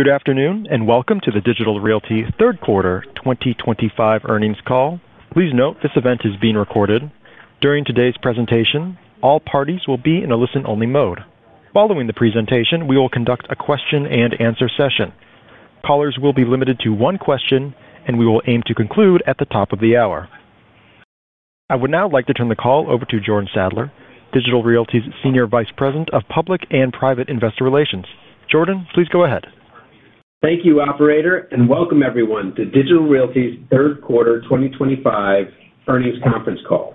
Good afternoon and welcome to the Digital Realty Trust third quarter 2025 earnings call. Please note this event is being recorded. During today's presentation, all parties will be in a listen-only mode. Following the presentation, we will conduct a question and answer session. Callers will be limited to one question, and we will aim to conclude at the top of the hour. I would now like to turn the call over to Jordan Sadler, Digital Realty Trust's Senior Vice President of Public and Private Investor Relations. Jordan, please go ahead. Thank you, operator, and welcome everyone to Digital Realty Trust's Third Quarter 2025 earnings conference call.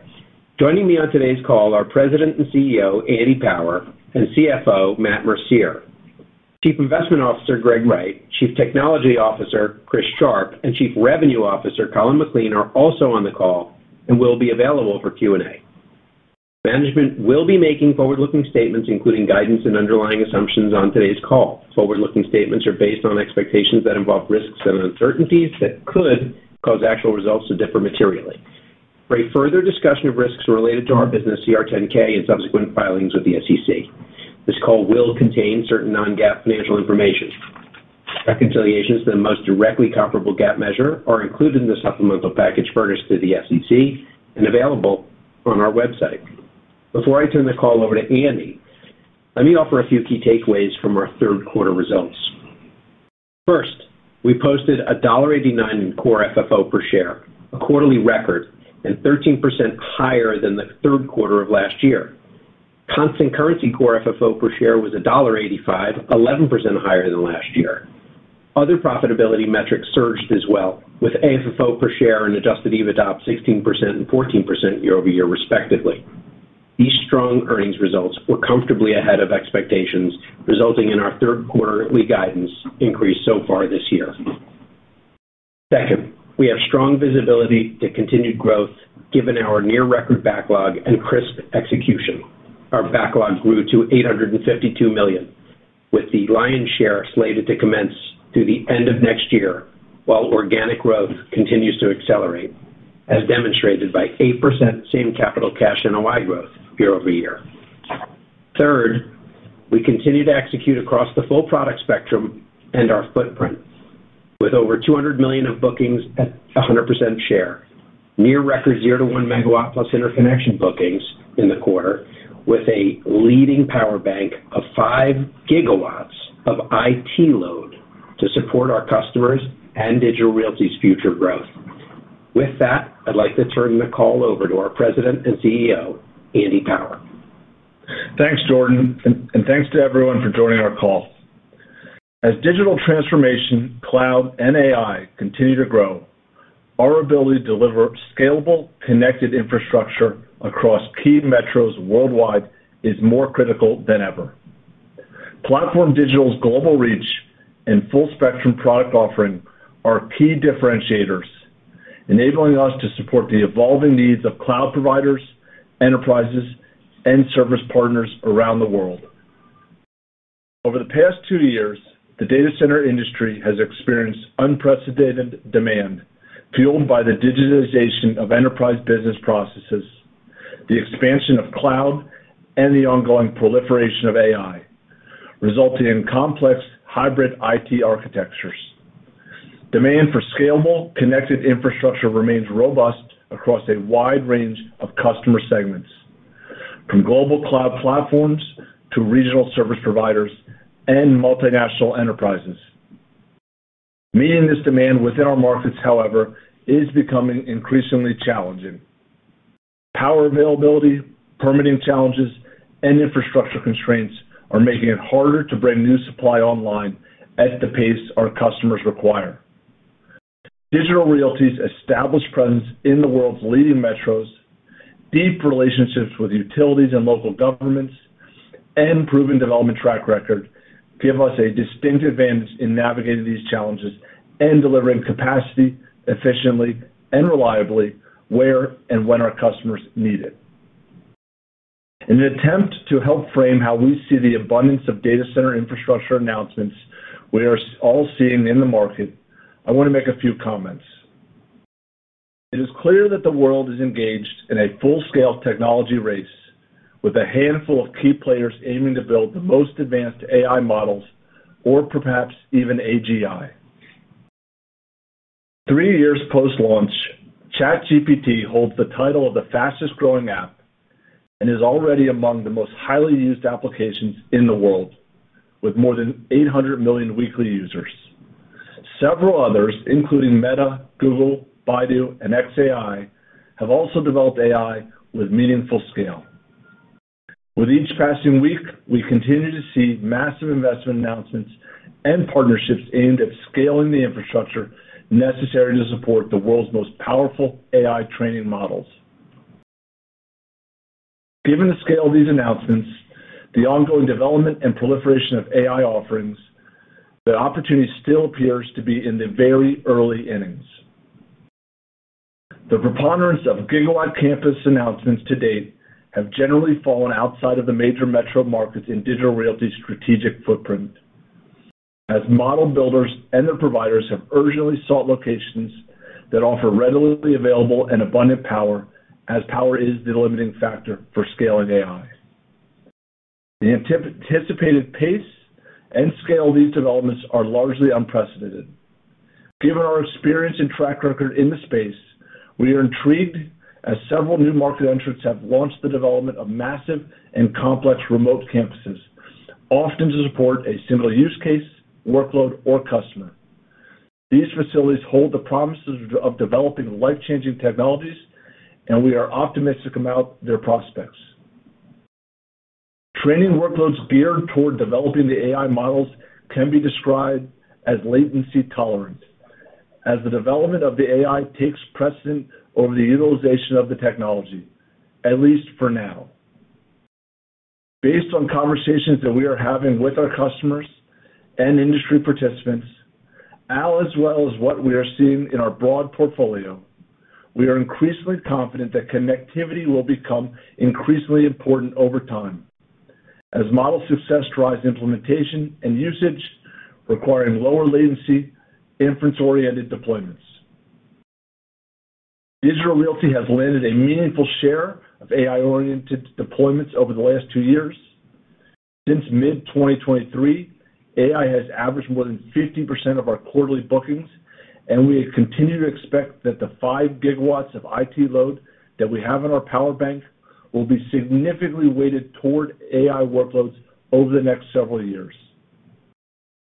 Joining me on today's call are President and CEO Andy Power and CFO Matt Mercier. Chief Investment Officer Greg Wright, Chief Technology Officer Chris Sharp, and Chief Revenue Officer Colin McLean are also on the call and will be available for Q&A. Management will be making forward-looking statements, including guidance and underlying assumptions on today's call. Forward-looking statements are based on expectations that involve risks and uncertainties that could cause actual results to differ materially. For a further discussion of risks related to our business, our 10-K and subsequent filings with the SEC, this call will contain certain non-GAAP financial information. Reconciliations to the most directly comparable GAAP measure are included in the supplemental package furnished to the SEC and available on our website. Before I turn the call over to Andy, let me offer a few key takeaways from our third quarter results. First, we posted $1.89 in core FFO per share, a quarterly record and 13% higher than the third quarter of last year. Constant currency core FFO per share was $1.85, 11% higher than last year. Other profitability metrics surged as well, with AFFO per share and adjusted EBITDA up 16% and 14% year-over-year, respectively. These strong earnings results were comfortably ahead of expectations, resulting in our third quarterly guidance increase so far this year. Second, we have strong visibility to continued growth, given our near-record backlog and crisp execution. Our backlog grew to $852 million, with the lion's share slated to commence through the end of next year, while organic growth continues to accelerate, as demonstrated by 8% same capital cash NOI growth year-over-year. Third, we continue to execute across the full product spectrum and our footprint, with over $200 million of bookings at 100% share, near record 0 MW to 1 MW plus interconnection bookings in the quarter, with a leading power bank of 5 GW of IT load to support our customers and Digital Realty Trust's future growth. With that, I'd like to turn the call over to our President and CEO, Andy Power. Thanks, Jordan, and thanks to everyone for joining our call. As digital transformation, cloud, and AI continue to grow, our ability to deliver scalable, connected infrastructure across key metros worldwide is more critical than ever. PlatformDIGITAL's global reach and full-spectrum product offering are key differentiators, enabling us to support the evolving needs of cloud providers, enterprises, and service partners around the world. Over the past two years, the data center industry has experienced unprecedented demand, fueled by the digitization of enterprise business processes, the expansion of cloud, and the ongoing proliferation of AI, resulting in complex hybrid IT architectures. Demand for scalable, connected infrastructure remains robust across a wide range of customer segments, from global cloud platforms to regional service providers and multinational enterprises. Meeting this demand within our markets, however, is becoming increasingly challenging. Power availability, permitting challenges, and infrastructure constraints are making it harder to bring new supply online at the pace our customers require. Digital Realty's established presence in the world's leading metros, deep relationships with utilities and local governments, and proven development track record give us a distinct advantage in navigating these challenges and delivering capacity efficiently and reliably where and when our customers need it. In an attempt to help frame how we see the abundance of data center infrastructure announcements we are all seeing in the market, I want to make a few comments. It is clear that the world is engaged in a full-scale technology race, with a handful of key players aiming to build the most advanced AI models, or perhaps even AGI. Three years post-launch, ChatGPT holds the title of the fastest growing app and is already among the most highly used applications in the world, with more than 800 million weekly users. Several others, including Meta, Google, Baidu, and xAI, have also developed AI with meaningful scale. With each passing week, we continue to see massive investment announcements and partnerships aimed at scaling the infrastructure necessary to support the world's most powerful AI training models. Given the scale of these announcements, the ongoing development and proliferation of AI offerings, the opportunity still appears to be in the very early innings. The preponderance of gigawatt campus announcements to date have generally fallen outside of the major metro markets in Digital Realty's strategic footprint, as model builders and their providers have urgently sought locations that offer readily available and abundant power, as power is the limiting factor for scaling AI. The anticipated pace and scale of these developments are largely unprecedented. Given our experience and track record in the space, we are intrigued as several new market entrants have launched the development of massive and complex remote campuses, often to support a single use case, workload, or customer. These facilities hold the promises of developing life-changing technologies, and we are optimistic about their prospects. Training workloads geared toward developing the AI models can be described as latency tolerant, as the development of the AI takes precedent over the utilization of the technology, at least for now. Based on conversations that we are having with our customers and industry participants, as well as what we are seeing in our broad portfolio, we are increasingly confident that connectivity will become increasingly important over time, as model success drives implementation and usage, requiring lower latency, inference-oriented deployments. Digital Realty has landed a meaningful share of AI-oriented deployments over the last two years. Since mid-2023, AI has averaged more than 50% of our quarterly bookings, and we continue to expect that the 5 GW of IT load that we have in our power bank will be significantly weighted toward AI workloads over the next several years.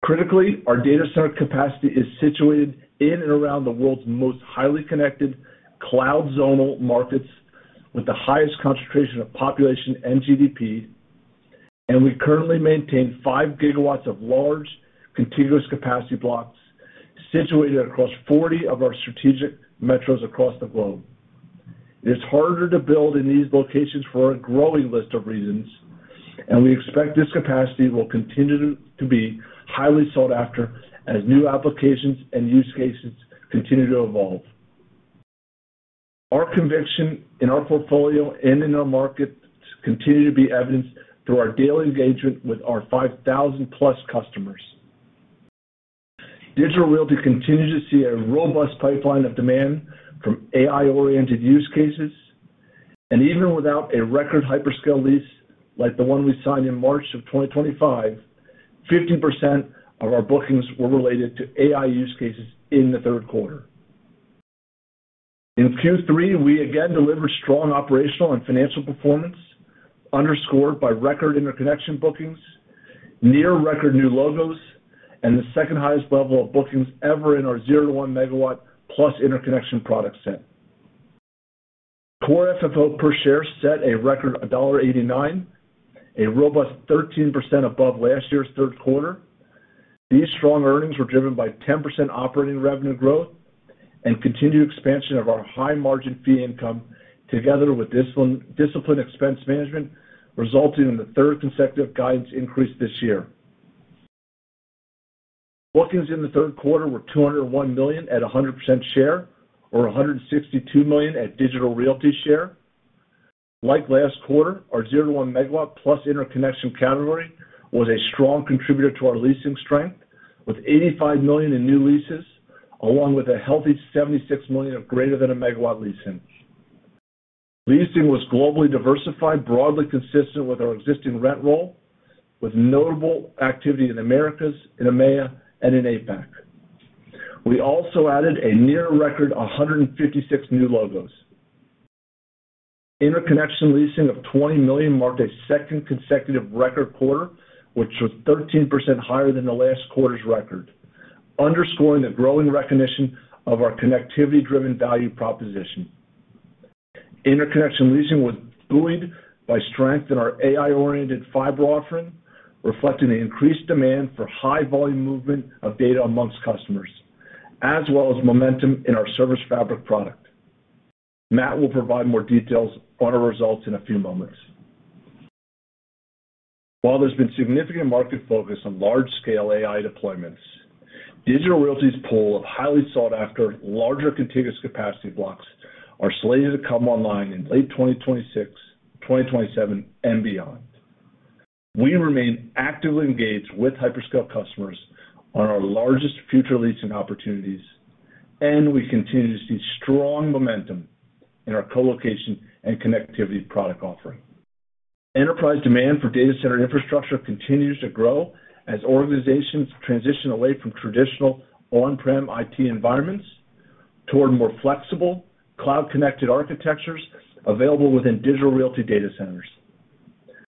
Critically, our data center capacity is situated in and around the world's most highly connected cloud zonal markets, with the highest concentration of population and GDP, and we currently maintain 5 GW of large contiguous capacity blocks situated across 40 of our strategic metros across the globe. It is harder to build in these locations for a growing list of reasons, and we expect this capacity will continue to be highly sought after as new applications and use cases continue to evolve. Our conviction in our portfolio and in our markets continues to be evidenced through our daily engagement with our 5,000-plus customers. Digital Realty continues to see a robust pipeline of demand from AI-oriented use cases, and even without a record hyperscale lease like the one we signed in March of 2025, 50% of our bookings were related to AI use cases in the third quarter. In Q3, we again delivered strong operational and financial performance, underscored by record interconnection bookings, near-record new logos, and the second highest level of bookings ever in our 0 MW to 1 MW plus interconnection product set. Core FFO per share set a record $1.89, a robust 13% above last year's third quarter. These strong earnings were driven by 10% operating revenue growth and continued expansion of our high margin fee income, together with disciplined expense management, resulting in the third consecutive guidance increase this year. Bookings in the third quarter were $201 million at 100% share or $162 million at Digital Realty share. Like last quarter, our 0 MW to 1 MW plus interconnection category was a strong contributor to our leasing strength, with $85 million in new leases, along with a healthy $76 million of greater than a megawatt leasing. Leasing was globally diversified, broadly consistent with our existing rent roll, with notable activity in the Americas, in EMEA, and in APAC. We also added a near-record 156 new logos. Interconnection leasing of $20 million marked a second consecutive record quarter, which was 13% higher than the last quarter's record, underscoring the growing recognition of our connectivity-driven value proposition. Interconnection leasing was buoyed by strength in our AI-oriented fiber offering, reflecting the increased demand for high-volume movement of data amongst customers, as well as momentum in our ServiceFabric product. Matt will provide more details on our results in a few moments. While there's been significant market focus on large-scale AI deployments, Digital Realty's pool of highly sought-after larger contiguous capacity blocks are slated to come online in late 2026, 2027, and beyond. We remain actively engaged with hyperscale customers on our largest future leasing opportunities, and we continue to see strong momentum in our colocation and connectivity product offering. Enterprise demand for data center infrastructure continues to grow as organizations transition away from traditional on-prem IT environments toward more flexible, cloud-connected architectures available within Digital Realty data centers.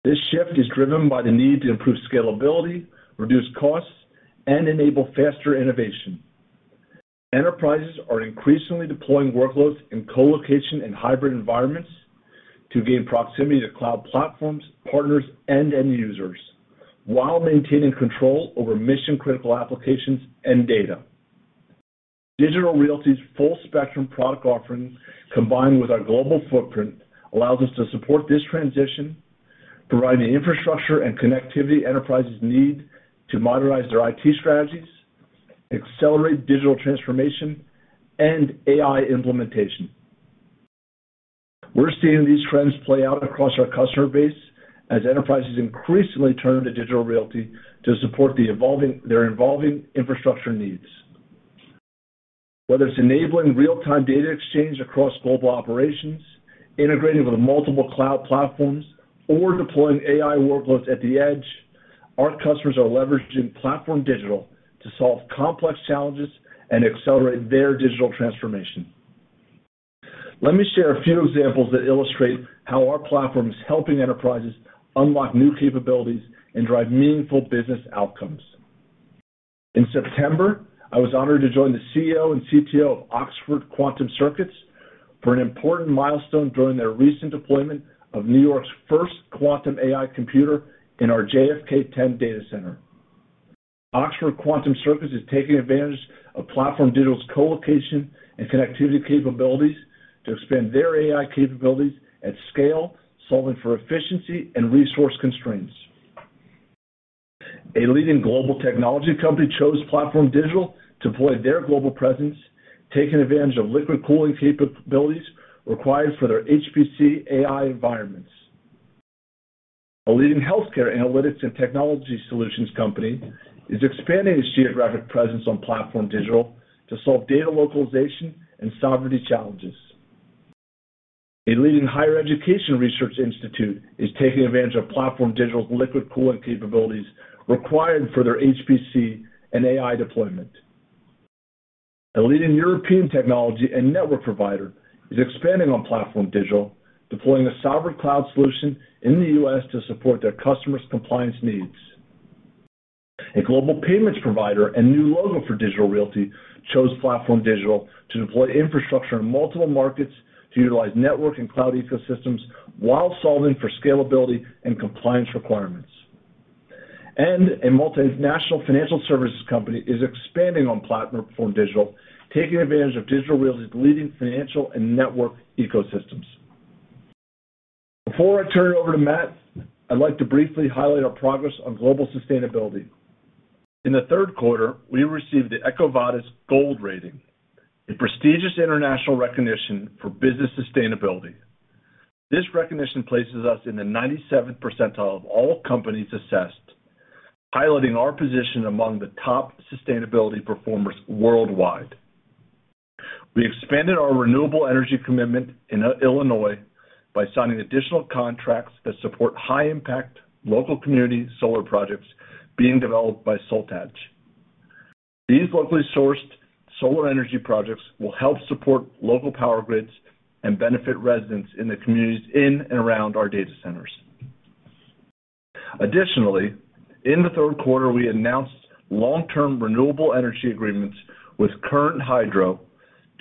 This shift is driven by the need to improve scalability, reduce costs, and enable faster innovation. Enterprises are increasingly deploying workloads in colocation and hybrid environments to gain proximity to cloud platforms, partners, and end users while maintaining control over mission-critical applications and data. Digital Realty's full-spectrum product offering, combined with our global footprint, allows us to support this transition, providing the infrastructure and connectivity enterprises need to modernize their IT strategies, accelerate digital transformation, and AI implementation. We're seeing these trends play out across our customer base as enterprises increasingly turn to Digital Realty to support their evolving infrastructure needs. Whether it's enabling real-time data exchange across global operations, integrating with multiple cloud platforms, or deploying AI workloads at the edge, our customers are leveraging PlatformDIGITAL to solve complex challenges and accelerate their digital transformation. Let me share a few examples that illustrate how our platform is helping enterprises unlock new capabilities and drive meaningful business outcomes. In September, I was honored to join the CEO and CTO of Oxford Quantum Circuits for an important milestone during their recent deployment of New York's first quantum AI computer in our JFK10 data center. Oxford Quantum Circuits is taking advantage of PlatformDIGITAL's colocation and connectivity capabilities to expand their AI capabilities at scale, solving for efficiency and resource constraints. A leading global technology company chose PlatformDIGITAL to deploy their global presence, taking advantage of liquid cooling capabilities required for their HPC AI environments. A leading healthcare analytics and technology solutions company is expanding its geographic presence on PlatformDIGITAL to solve data localization and sovereignty challenges. A leading higher education research institute is taking advantage of PlatformDIGITAL's liquid cooling capabilities required for their HPC and AI deployment. A leading European technology and network provider is expanding on PlatformDIGITAL, deploying a sovereign cloud solution in the U.S. to support their customers' compliance needs. A global payments provider and new logo for Digital Realty chose PlatformDIGITAL to deploy infrastructure in multiple markets to utilize network and cloud ecosystems while solving for scalability and compliance requirements. A multinational financial services company is expanding on PlatformDIGITAL, taking advantage of Digital Realty's leading financial and network ecosystems. Before I turn it over to Matt, I'd like to briefly highlight our progress on global sustainability. In the third quarter, we received the EcoVadis Gold rating, a prestigious international recognition for business sustainability. This recognition places us in the 97% percentile of all companies assessed, highlighting our position among the top sustainability performers worldwide. We expanded our renewable energy commitment in Illinois by signing additional contracts that support high-impact local community solar projects being developed by SolTech. These locally sourced solar energy projects will help support local power grids and benefit residents in the communities in and around our data centers. Additionally, in the third quarter, we announced long-term renewable energy agreements with Current Hydro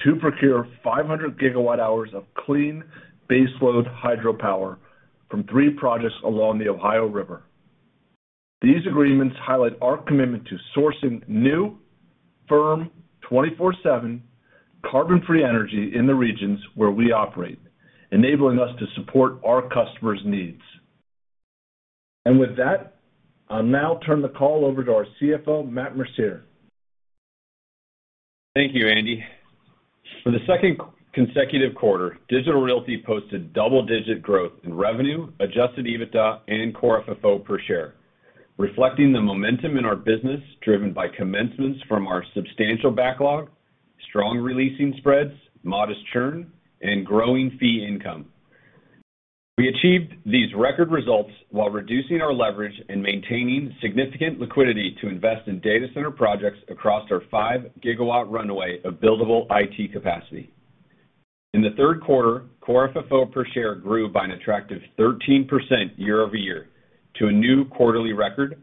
to procure 500 GWh of clean baseload hydropower from three projects along the Ohio River. These agreements highlight our commitment to sourcing new, firm, 24/7 carbon-free energy in the regions where we operate, enabling us to support our customers' needs. With that, I'll now turn the call over to our Chief Financial Officer, Matt Mercier. Thank you, Andy. For the second consecutive quarter, Digital Realty posted double-digit growth in revenue, adjusted EBITDA, and core FFO per share, reflecting the momentum in our business driven by commencements from our substantial backlog, strong releasing spreads, modest churn, and growing fee income. We achieved these record results while reducing our leverage and maintaining significant liquidity to invest in data center projects across our 5 GW runway of buildable IT capacity. In the third quarter, core FFO per share grew by an attractive 13% year-over-year to a new quarterly record,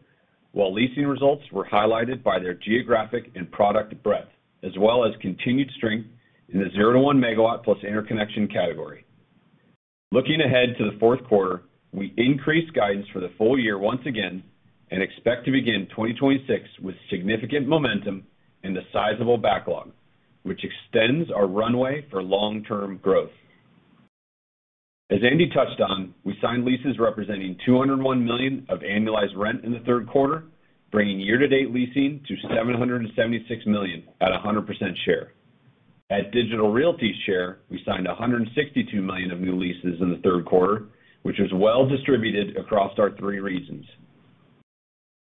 while leasing results were highlighted by their geographic and product breadth, as well as continued strength in the 0 MW to 1 MW plus interconnection category. Looking ahead to the fourth quarter, we increased guidance for the full year once again and expect to begin 2026 with significant momentum and a sizable backlog, which extends our runway for long-term growth. As Andy touched on, we signed leases representing $201 million of annualized rent in the third quarter, bringing year-to-date leasing to $776 million at 100% share. At Digital Realty's share, we signed $162 million of new leases in the third quarter, which was well-distributed across our three regions.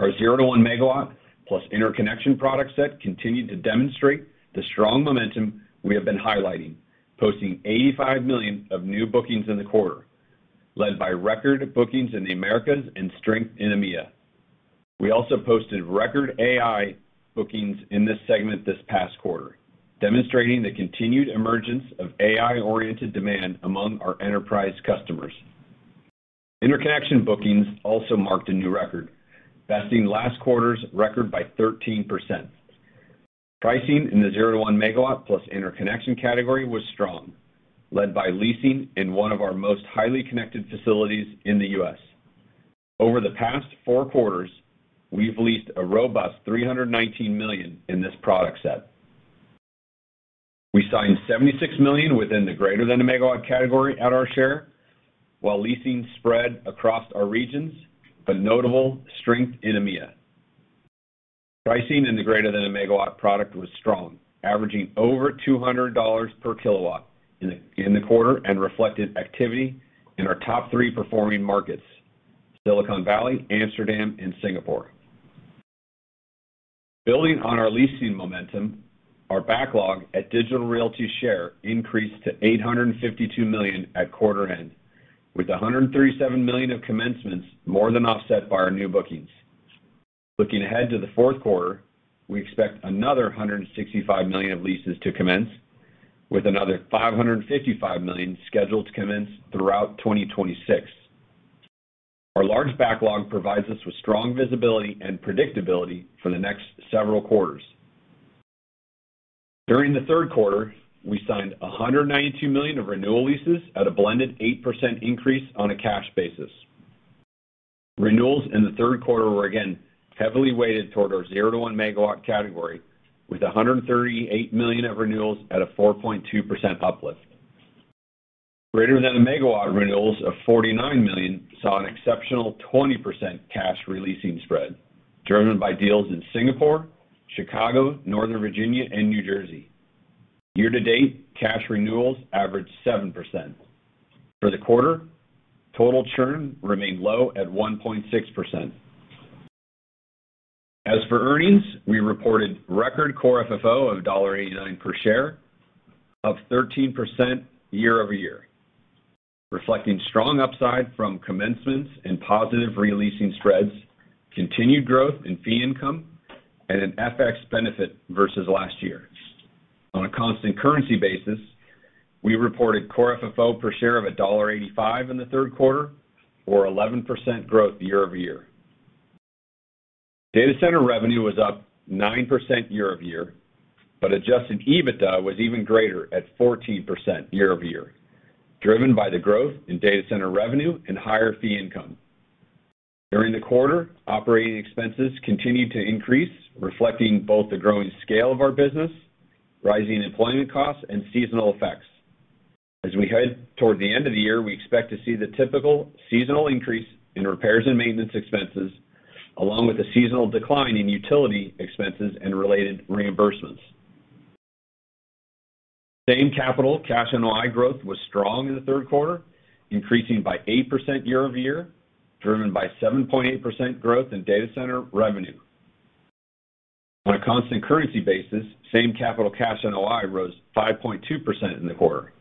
Our 0 MW to 1 MW plus interconnection product set continued to demonstrate the strong momentum we have been highlighting, posting $85 million of new bookings in the quarter, led by record bookings in the Americas and strength in EMEA. We also posted record AI bookings in this segment this past quarter, demonstrating the continued emergence of AI-oriented demand among our enterprise customers. Interconnection bookings also marked a new record, besting last quarter's record by 13%. Pricing in the 0 MW to 1 MW plus interconnection category was strong, led by leasing in one of our most highly connected facilities in the U.S. Over the past four quarters, we've leased a robust $319 million in this product set. We signed $76 million within the greater than a megawatt category at our share, while leasing spread across our regions, but notable strength in EMEA. Pricing in the greater than a megawatt product was strong, averaging over $200 per kilowatt in the quarter and reflected activity in our top three performing markets: Silicon Valley, Amsterdam, and Singapore. Building on our leasing momentum, our backlog at Digital Realty's share increased to $852 million at quarter end, with $137 million of commencements more than offset by our new bookings. Looking ahead to the fourth quarter, we expect another $165 million of leases to commence, with another $555 million scheduled to commence throughout 2026. Our large backlog provides us with strong visibility and predictability for the next several quarters. During the third quarter, we signed $192 million of renewal leases at a blended 8% increase on a cash basis. Renewals in the third quarter were again heavily weighted toward our 0 MW to 1 MW category, with $138 million of renewals at a 4.2% uplift. Greater than a megawatt renewals of $49 million saw an exceptional 20% cash releasing spread, driven by deals in Singapore, Chicago, Northern Virginia, and New Jersey. Year-to-date cash renewals averaged 7%. For the quarter, total churn remained low at 1.6%. As for earnings, we reported record core FFO of $1.89 per share, up 13% year-over-year, reflecting strong upside from commencements and positive releasing spreads, continued growth in fee income, and an FX benefit versus last year. On a constant currency basis, we reported core FFO per share of $1.85 in the third quarter, or 11% growth year-over-year. Data center revenue was up 9% year-over-year, but adjusted EBITDA was even greater at 14% year-over-year, driven by the growth in data center revenue and higher fee income. During the quarter, operating expenses continued to increase, reflecting both the growing scale of our business, rising employment costs, and seasonal effects. As we head toward the end of the year, we expect to see the typical seasonal increase in repairs and maintenance expenses, along with a seasonal decline in utility expenses and related reimbursements. Same capital cash NOI growth was strong in the third quarter, increasing by 8% year-over-year, driven by 7.8% growth in data center revenue. On a constant currency basis, same capital cash NOI rose 5.2% in the quarter.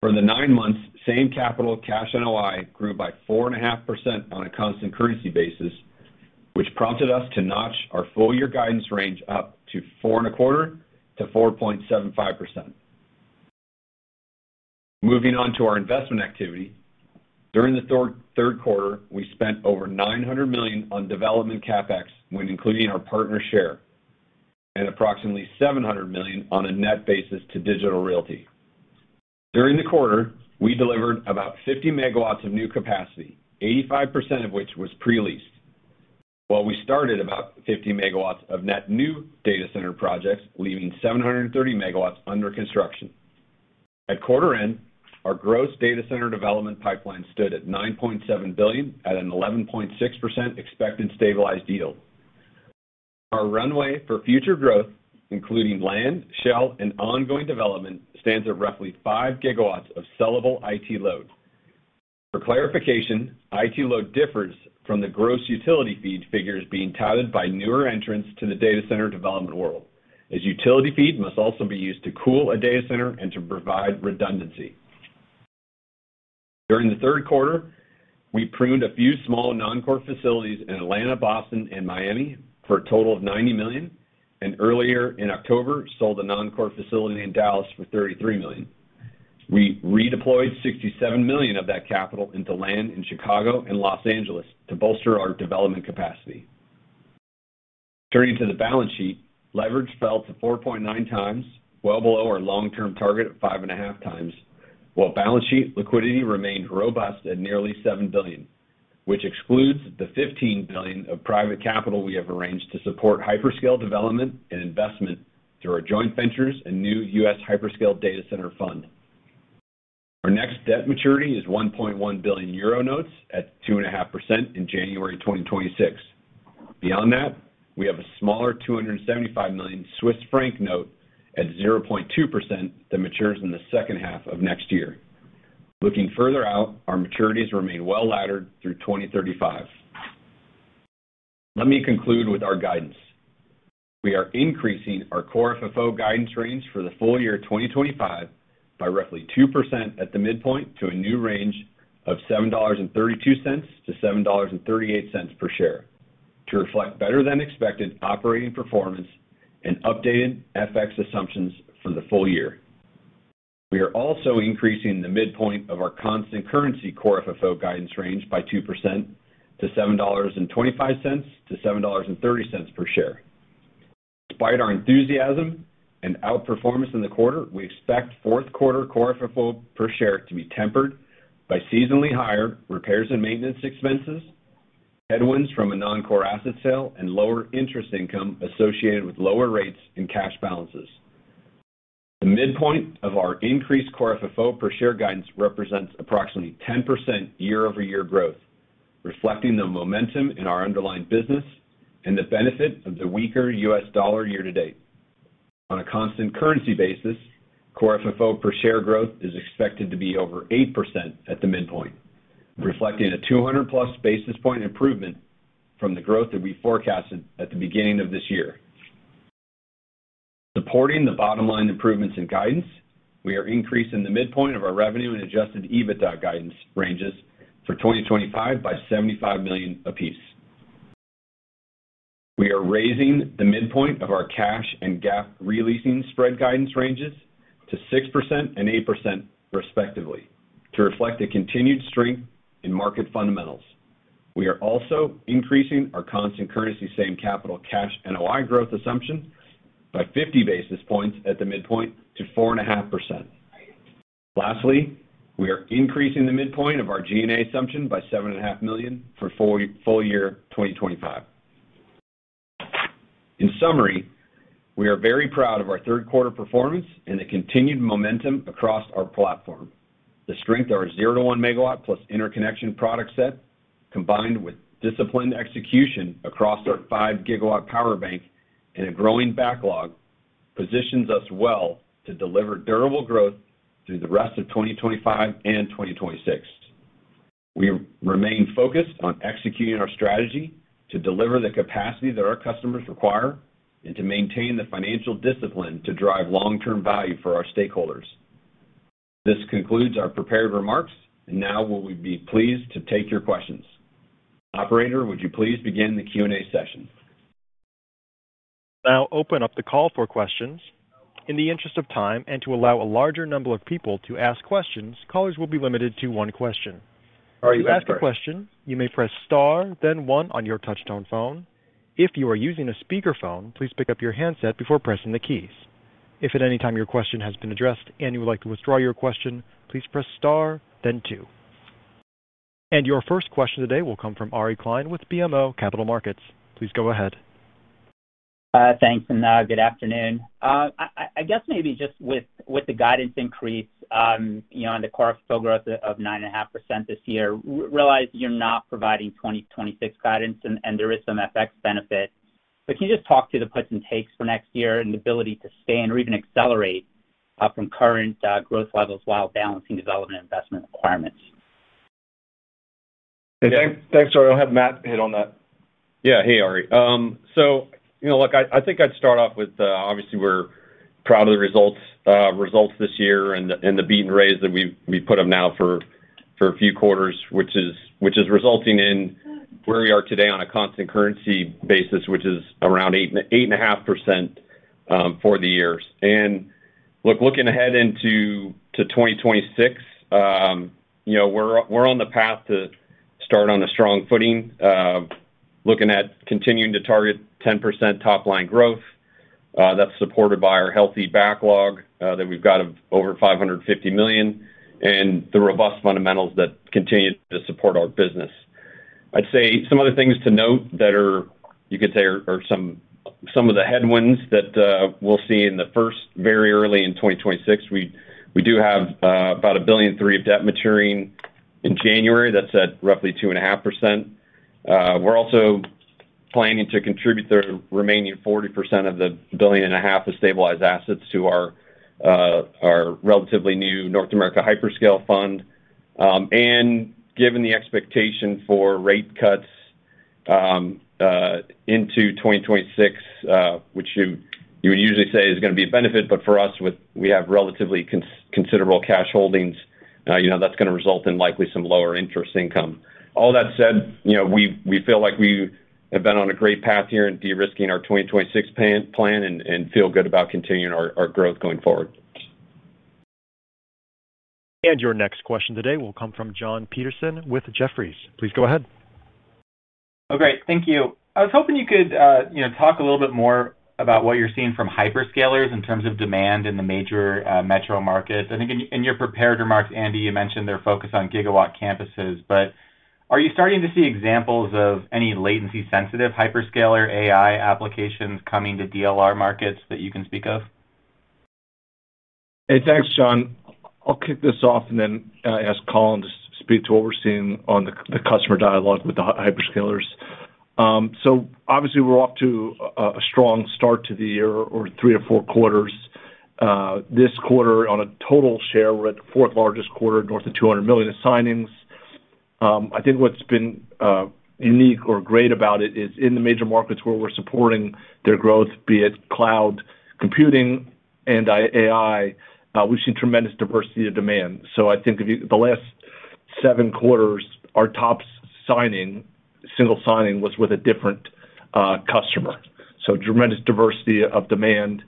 For the nine months, same capital cash NOI grew by 4.5% on a constant currency basis, which prompted us to notch our full-year guidance range up to 4.25% to 4.75%. Moving on to our investment activity, during the third quarter, we spent over $900 million on development CapEx when including our partner share and approximately $700 million on a net basis to Digital Realty. During the quarter, we delivered about 50 MW of new capacity, 85% of which was pre-leased, while we started about 50 MW of net new data center projects, leaving 730 MW under construction. At quarter end, our gross data center development pipeline stood at $9.7 billion at an 11.6% expected stabilized yield. Our runway for future growth, including land, shell, and ongoing development, stands at roughly 5 GW of sellable IT load. For clarification, IT load differs from the gross utility feed figures being touted by newer entrants to the data center development world, as utility feed must also be used to cool a data center and to provide redundancy. During the third quarter, we pruned a few small non-core facilities in Atlanta, Boston, and Miami for a total of $90 million, and earlier in October, sold a non-core facility in Dallas for $33 million. We redeployed $67 million of that capital into land in Chicago and Los Angeles to bolster our development capacity. Turning to the balance sheet, leverage fell to 4.9 times, well below our long-term target of 5.5 times, while balance sheet liquidity remained robust at nearly $7 billion, which excludes the $15 billion of private capital we have arranged to support hyperscale development and investment through our joint ventures and new U.S. hyperscale data center fund. Our next debt maturity is €1.1 billion notes at 2.5% in January 2026. Beyond that, we have a smaller 275 million Swiss franc note at 0.2% that matures in the second half of next year. Looking further out, our maturities remain well-laddered through 2035. Let me conclude with our guidance. We are increasing our core FFO guidance range for the full year 2025 by roughly 2% at the midpoint to a new range of $7.32 to $7.38 per share, to reflect better than expected operating performance and updated FX assumptions for the full year. We are also increasing the midpoint of our constant currency core FFO guidance range by 2% to $7.25 to $7.30 per share. Despite our enthusiasm and outperformance in the quarter, we expect fourth quarter core FFO per share to be tempered by seasonally higher repairs and maintenance expenses, headwinds from a non-core asset sale, and lower interest income associated with lower rates and cash balances. The midpoint of our increased core FFO per share guidance represents approximately 10% year-over-year growth, reflecting the momentum in our underlying business and the benefit of the weaker U.S. dollar year to date. On a constant currency basis, core FFO per share growth is expected to be over 8% at the midpoint, reflecting a 200-plus basis point improvement from the growth that we forecasted at the beginning of this year. Supporting the bottom line improvements in guidance, we are increasing the midpoint of our revenue and adjusted EBITDA guidance ranges for 2025 by $75 million apiece. We are raising the midpoint of our cash and GAAP releasing spread guidance ranges to 6% and 8% respectively, to reflect a continued strength in market fundamentals. We are also increasing our constant currency same capital cash NOI growth assumption by 50 basis points at the midpoint to 4.5%. Lastly, we are increasing the midpoint of our G&A assumption by $7.5 million for full year 2025. In summary, we are very proud of our third quarter performance and the continued momentum across our platform. The strength of our 0 MW to 1 MW plus interconnection product set, combined with disciplined execution across our 5 GW power bank and a growing backlog, positions us well to deliver durable growth through the rest of 2025 and 2026. We remain focused on executing our strategy to deliver the capacity that our customers require and to maintain the financial discipline to drive long-term value for our stakeholders. This concludes our prepared remarks, and now we'll be pleased to take your questions. Operator, would you please begin the Q&A session? I'll open up the call for questions. In the interest of time and to allow a larger number of people to ask questions, callers will be limited to one question. Are you ready to ask a question, you may press star, then one on your touch-tone phone. If you are using a speaker phone, please pick up your handset before pressing the keys. If at any time your question has been addressed and you would like to withdraw your question, please press star, then two. Your first question today will come from Ari Klein with BMO Capital Markets. Please go ahead. Thanks, and good afternoon. I guess maybe just with the guidance increase on the core FFO growth of 9.5% this year, realize you're not providing 2026 guidance and there is some FX benefit, can you just talk through the puts and takes for next year and the ability to stay in or even accelerate from current growth levels while balancing development investment requirements? Hey, thanks, Jordan. I'll have Matt hit on that. Yeah, hey, Ari. I think I'd start off with obviously we're proud of the results this year and the beat and raise that we put up now for a few quarters, which is resulting in where we are today on a constant currency basis, which is around 8.5% for the year. Looking ahead into 2026, we're on the path to start on a strong footing, looking at continuing to target 10% top line growth that's supported by our healthy backlog that we've got of over $550 million and the robust fundamentals that continue to support our business. I'd say some other things to note that are, you could say, are some of the headwinds that we'll see very early in 2026. We do have about $1.3 billion of debt maturing in January. That's at roughly 2.5%. We're also planning to contribute the remaining 40% of the $1.5 billion of stabilized assets to our relatively new North America hyperscale fund. Given the expectation for rate cuts into 2026, which you would usually say is going to be a benefit, for us, we have relatively considerable cash holdings, that's going to result in likely some lower interest income. All that said, we feel like we have been on a great path here in de-risking our 2026 plan and feel good about continuing our growth going forward. Your next question today will come from Jon Petersen with Jefferies. Please go ahead. Oh, great. Thank you. I was hoping you could talk a little bit more about what you're seeing from hyperscalers in terms of demand in the major metro markets. I think in your prepared remarks, Andy, you mentioned their focus on gigawatt campuses, but are you starting to see examples of any latency-sensitive hyperscaler AI applications coming to Digital Realty markets that you can speak of? Hey, thanks, John. I'll kick this off and then ask Colin to speak to what we're seeing on the customer dialogue with the hyperscalers. Obviously, we're off to a strong start to the year or three or four quarters. This quarter, on a total share, we're at the fourth largest quarter, north of $200 million signings. I think what's been unique or great about it is in the major markets where we're supporting their growth, be it cloud, computing, and AI, we've seen tremendous diversity of demand. I think the last seven quarters, our top single signing was with a different customer. Tremendous diversity of demand.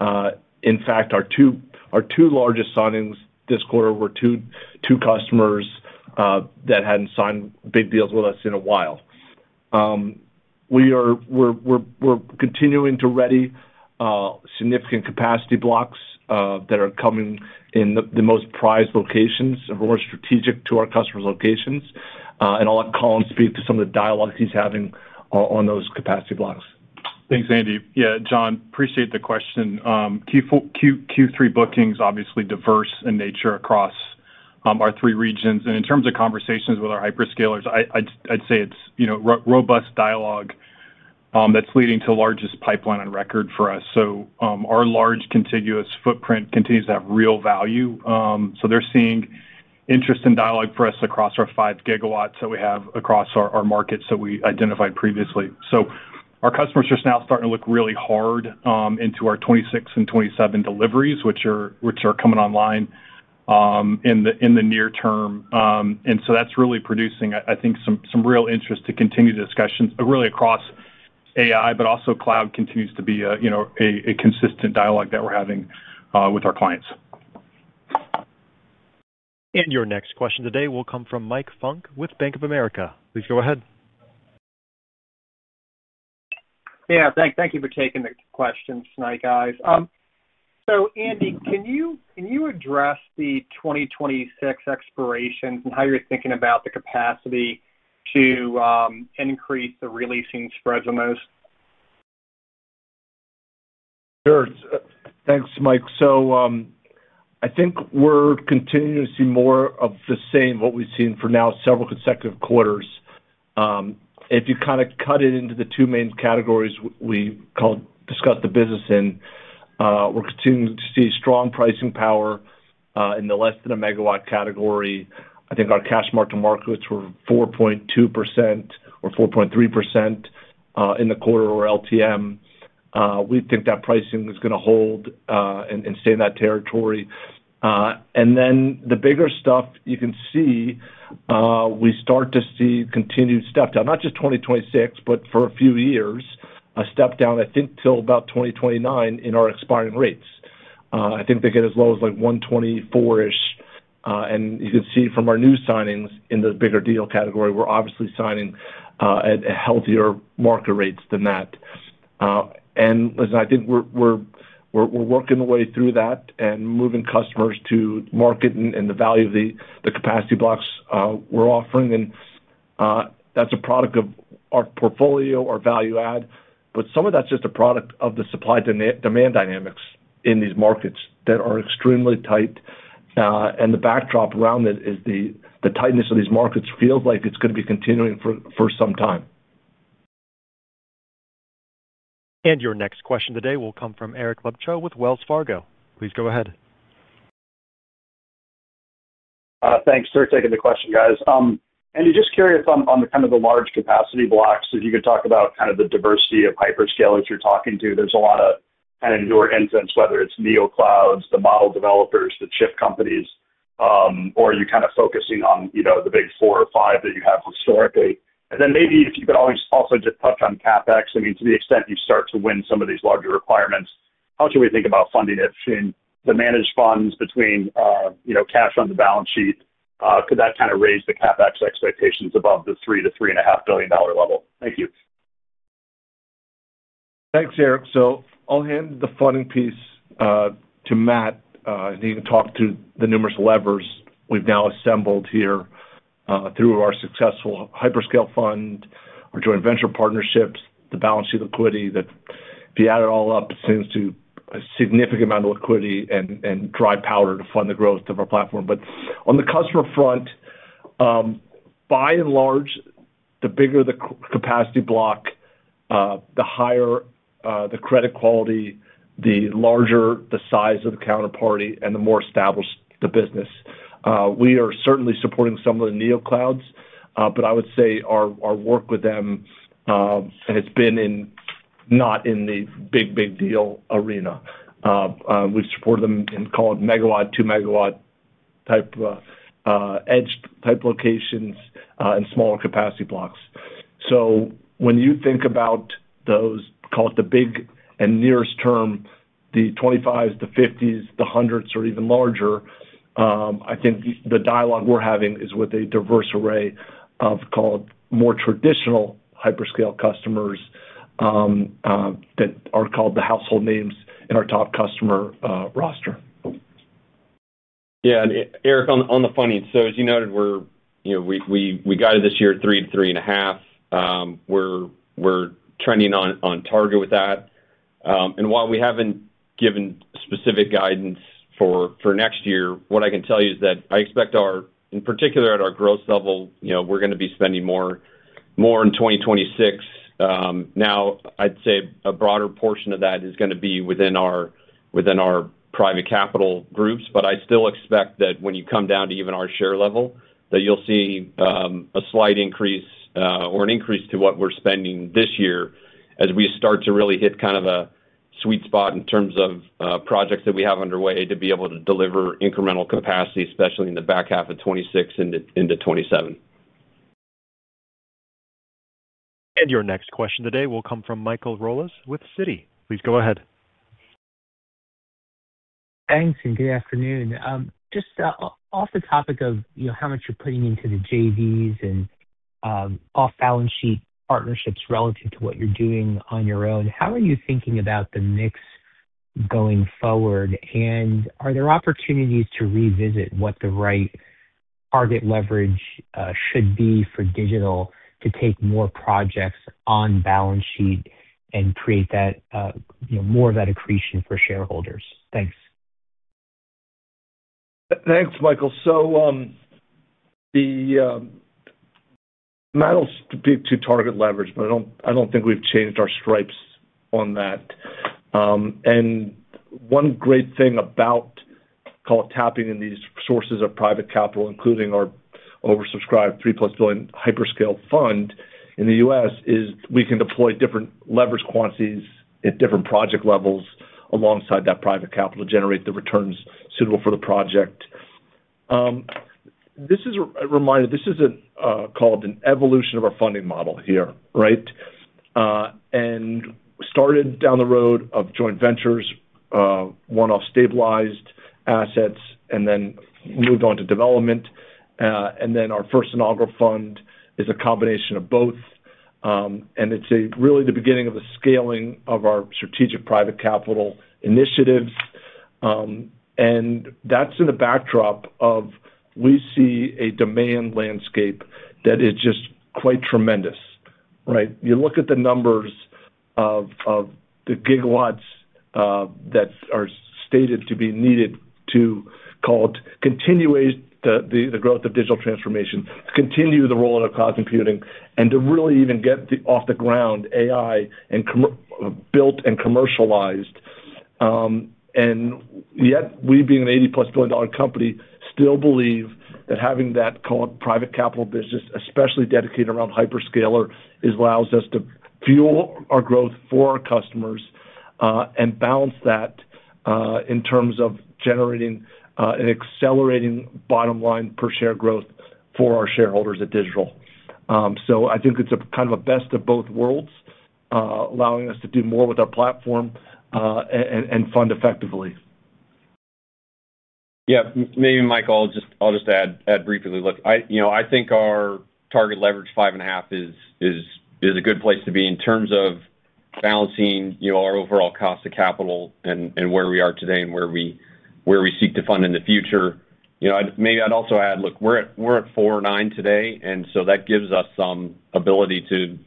In fact, our two largest signings this quarter were two customers that hadn't signed big deals with us in a while. We're continuing to ready significant capacity blocks that are coming in the most prized locations or more strategic to our customer locations, and I'll let Colin speak to some of the dialogues he's having on those capacity blocks. Thanks, Andy. Yeah, John, appreciate the question. Q3 bookings, obviously diverse in nature across our three regions. In terms of conversations with our hyperscalers, I'd say it's robust dialogue that's leading to the largest pipeline on record for us. Our large contiguous footprint continues to have real value. They're seeing interest in dialogue for us across our 5 GW that we have across our markets that we identified previously. Our customers are just now starting to look really hard into our 2026 and 2027 deliveries, which are coming online in the near term. That's really producing, I think, some real interest to continue discussions really across AI, but also cloud continues to be a consistent dialogue that we're having with our clients. Your next question today will come from Mike Funk with Bank of America. Please go ahead. Thank you for taking the questions, guys. Andy, can you address the 2026 expirations and how you're thinking about the capacity to increase the releasing spreads the most? Sure. Thanks, Mike. I think we're continuing to see more of the same, what we've seen for now several consecutive quarters. If you kind of cut it into the two main categories we discussed the business in, we're continuing to see strong pricing power in the less than a megawatt category. I think our cash mark-to-markets were 4.2% or 4.3% in the quarter or LTM. We think that pricing is going to hold and stay in that territory. The bigger stuff, you can see, we start to see continued step down, not just 2026, but for a few years, a step down, I think, till about 2029 in our expiring rates. I think they get as low as like 124-ish. You can see from our new signings in the bigger deal category, we're obviously signing at healthier market rates than that. I think we're working the way through that and moving customers to market and the value of the capacity blocks we're offering. That's a product of our portfolio, our value add, but some of that's just a product of the supply-demand dynamics in these markets that are extremely tight. The backdrop around it is the tightness of these markets feels like it's going to be continuing for some time. Your next question today will come from Eric Luebchow with Wells Fargo. Please go ahead. Thanks for taking the question, guys. Andy, just curious on the large capacity blocks, if you could talk about the diversity of hyperscalers you're talking to. There's a lot of newer entrants, whether it's NeoClouds, the model developers, the chip companies, or are you focusing on the big four or five that you have historically? Maybe if you could also just touch on CapEx. To the extent you start to win some of these larger requirements, how should we think about funding it between the managed funds, between cash on the balance sheet? Could that raise the CapEx expectations above the $3 to $3.5 billion level? Thank you. Thanks, Eric. I'll hand the funding piece to Matt, and he can talk through the numerous levers we've now assembled here through our successful hyperscale fund, our joint venture partnerships, the balance sheet liquidity that, if you add it all up, it seems to be a significant amount of liquidity and dry powder to fund the growth of our platform. On the customer front, by and large, the bigger the capacity block, the higher the credit quality, the larger the size of the counterparty, and the more established the business. We are certainly supporting some of the NeoClouds, but I would say our work with them, and it's been not in the big, big deal arena. We've supported them in, call it, megawatt, 2 MW type edge type locations and smaller capacity blocks. When you think about those, call it the big and nearest term, the 25s, the 50s, the 100s, or even larger, I think the dialogue we're having is with a diverse array of, call it, more traditional hyperscale customers that are called the household names in our top customer roster. Yeah, Eric, on the funding, as you noted, we guided this year $3 million to $3.5 million. We're trending on target with that. While we haven't given specific guidance for next year, what I can tell you is that I expect, in particular at our gross level, we're going to be spending more in 2026. I'd say a broader portion of that is going to be within our private capital groups, but I still expect that when you come down to even our share level, you'll see a slight increase or an increase to what we're spending this year as we start to really hit kind of a sweet spot in terms of projects that we have underway to be able to deliver incremental capacity, especially in the back half of 2026 into 2027. Your next question today will come from Michael Rollins with Citi. Please go ahead. Thanks, and good afternoon. Just off the topic of how much you're putting into the JVs and off-balance sheet partnerships relative to what you're doing on your own, how are you thinking about the mix going forward, and are there opportunities to revisit what the right target leverage should be for Digital Realty to take more projects on balance sheet and create more of that accretion for shareholders? Thanks. Thanks, Michael. Matt'll speak to target leverage, but I don't think we've changed our stripes on that. One great thing about, call it, tapping in these sources of private capital, including our oversubscribed three plus hyperscale fund in the U.S., is we can deploy different leverage quantities at different project levels alongside that private capital to generate the returns suitable for the project. This is a reminder, this is a, call it, an evolution of our funding model here, right? We started down the road of joint ventures, one-off stabilized assets, and then moved on to development. Our first inaugural fund is a combination of both. It's really the beginning of the scaling of our strategic private capital initiatives. That's in the backdrop of we see a demand landscape that is just quite tremendous, right? You look at the numbers of the gigawatts that are stated to be needed to, call it, continue the growth of digital transformation, to continue the role of cloud computing, and to really even get off the ground AI built and commercialized. Yet, we being an $80+ billion company still believe that having that, call it, private capital business, especially dedicated around hyperscaler, allows us to fuel our growth for our customers and balance that in terms of generating an accelerating bottom line per share growth for our shareholders at Digital Realty. I think it's a kind of a best of both worlds, allowing us to do more with our platform and fund effectively. Yeah, maybe Michael, I'll just add briefly, look, I think our target leverage 5.5 is a good place to be in terms of balancing our overall cost of capital and where we are today and where we seek to fund in the future. Maybe I'd also add, look, we're at 4.9 today, and that gives us some ability to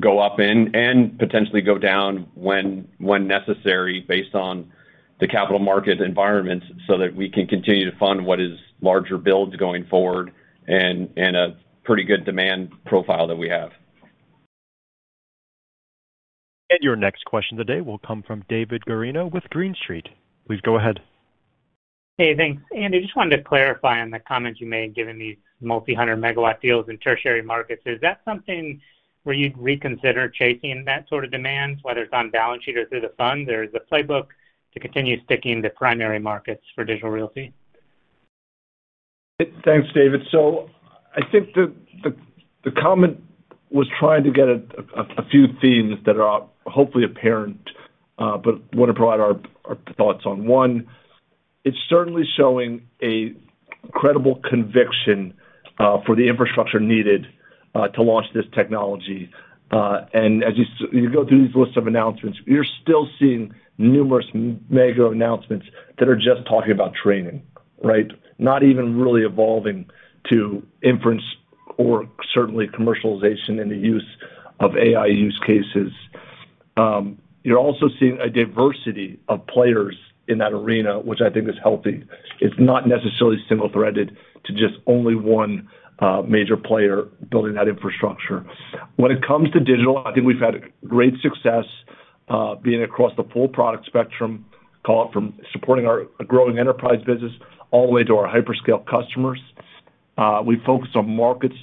go up and potentially go down when necessary based on the capital market environments so that we can continue to fund what is larger builds going forward and a pretty good demand profile that we have. Your next question today will come from David Barden with Green Street. Please go ahead. Hey, thanks. Andy, I just wanted to clarify on the comments you made given these multi-hundred megawatt deals in tertiary markets. Is that something where you'd reconsider chasing that sort of demand, whether it's on balance sheet or through the funds, or is the playbook to continue sticking to primary markets for Digital Realty? Thanks, David. I think the comment was trying to get at a few themes that are hopefully apparent, but I want to provide our thoughts on. One, it's certainly showing an incredible conviction for the infrastructure needed to launch this technology. As you go through these lists of announcements, you're still seeing numerous mega announcements that are just talking about training, right? Not even really evolving to inference or certainly commercialization and the use of AI use cases. You're also seeing a diversity of players in that arena, which I think is healthy. It's not necessarily single-threaded to just only one major player building that infrastructure. When it comes to Digital Realty, I think we've had great success being across the full product spectrum, call it from supporting our growing enterprise business all the way to our hyperscale customers. We focus on markets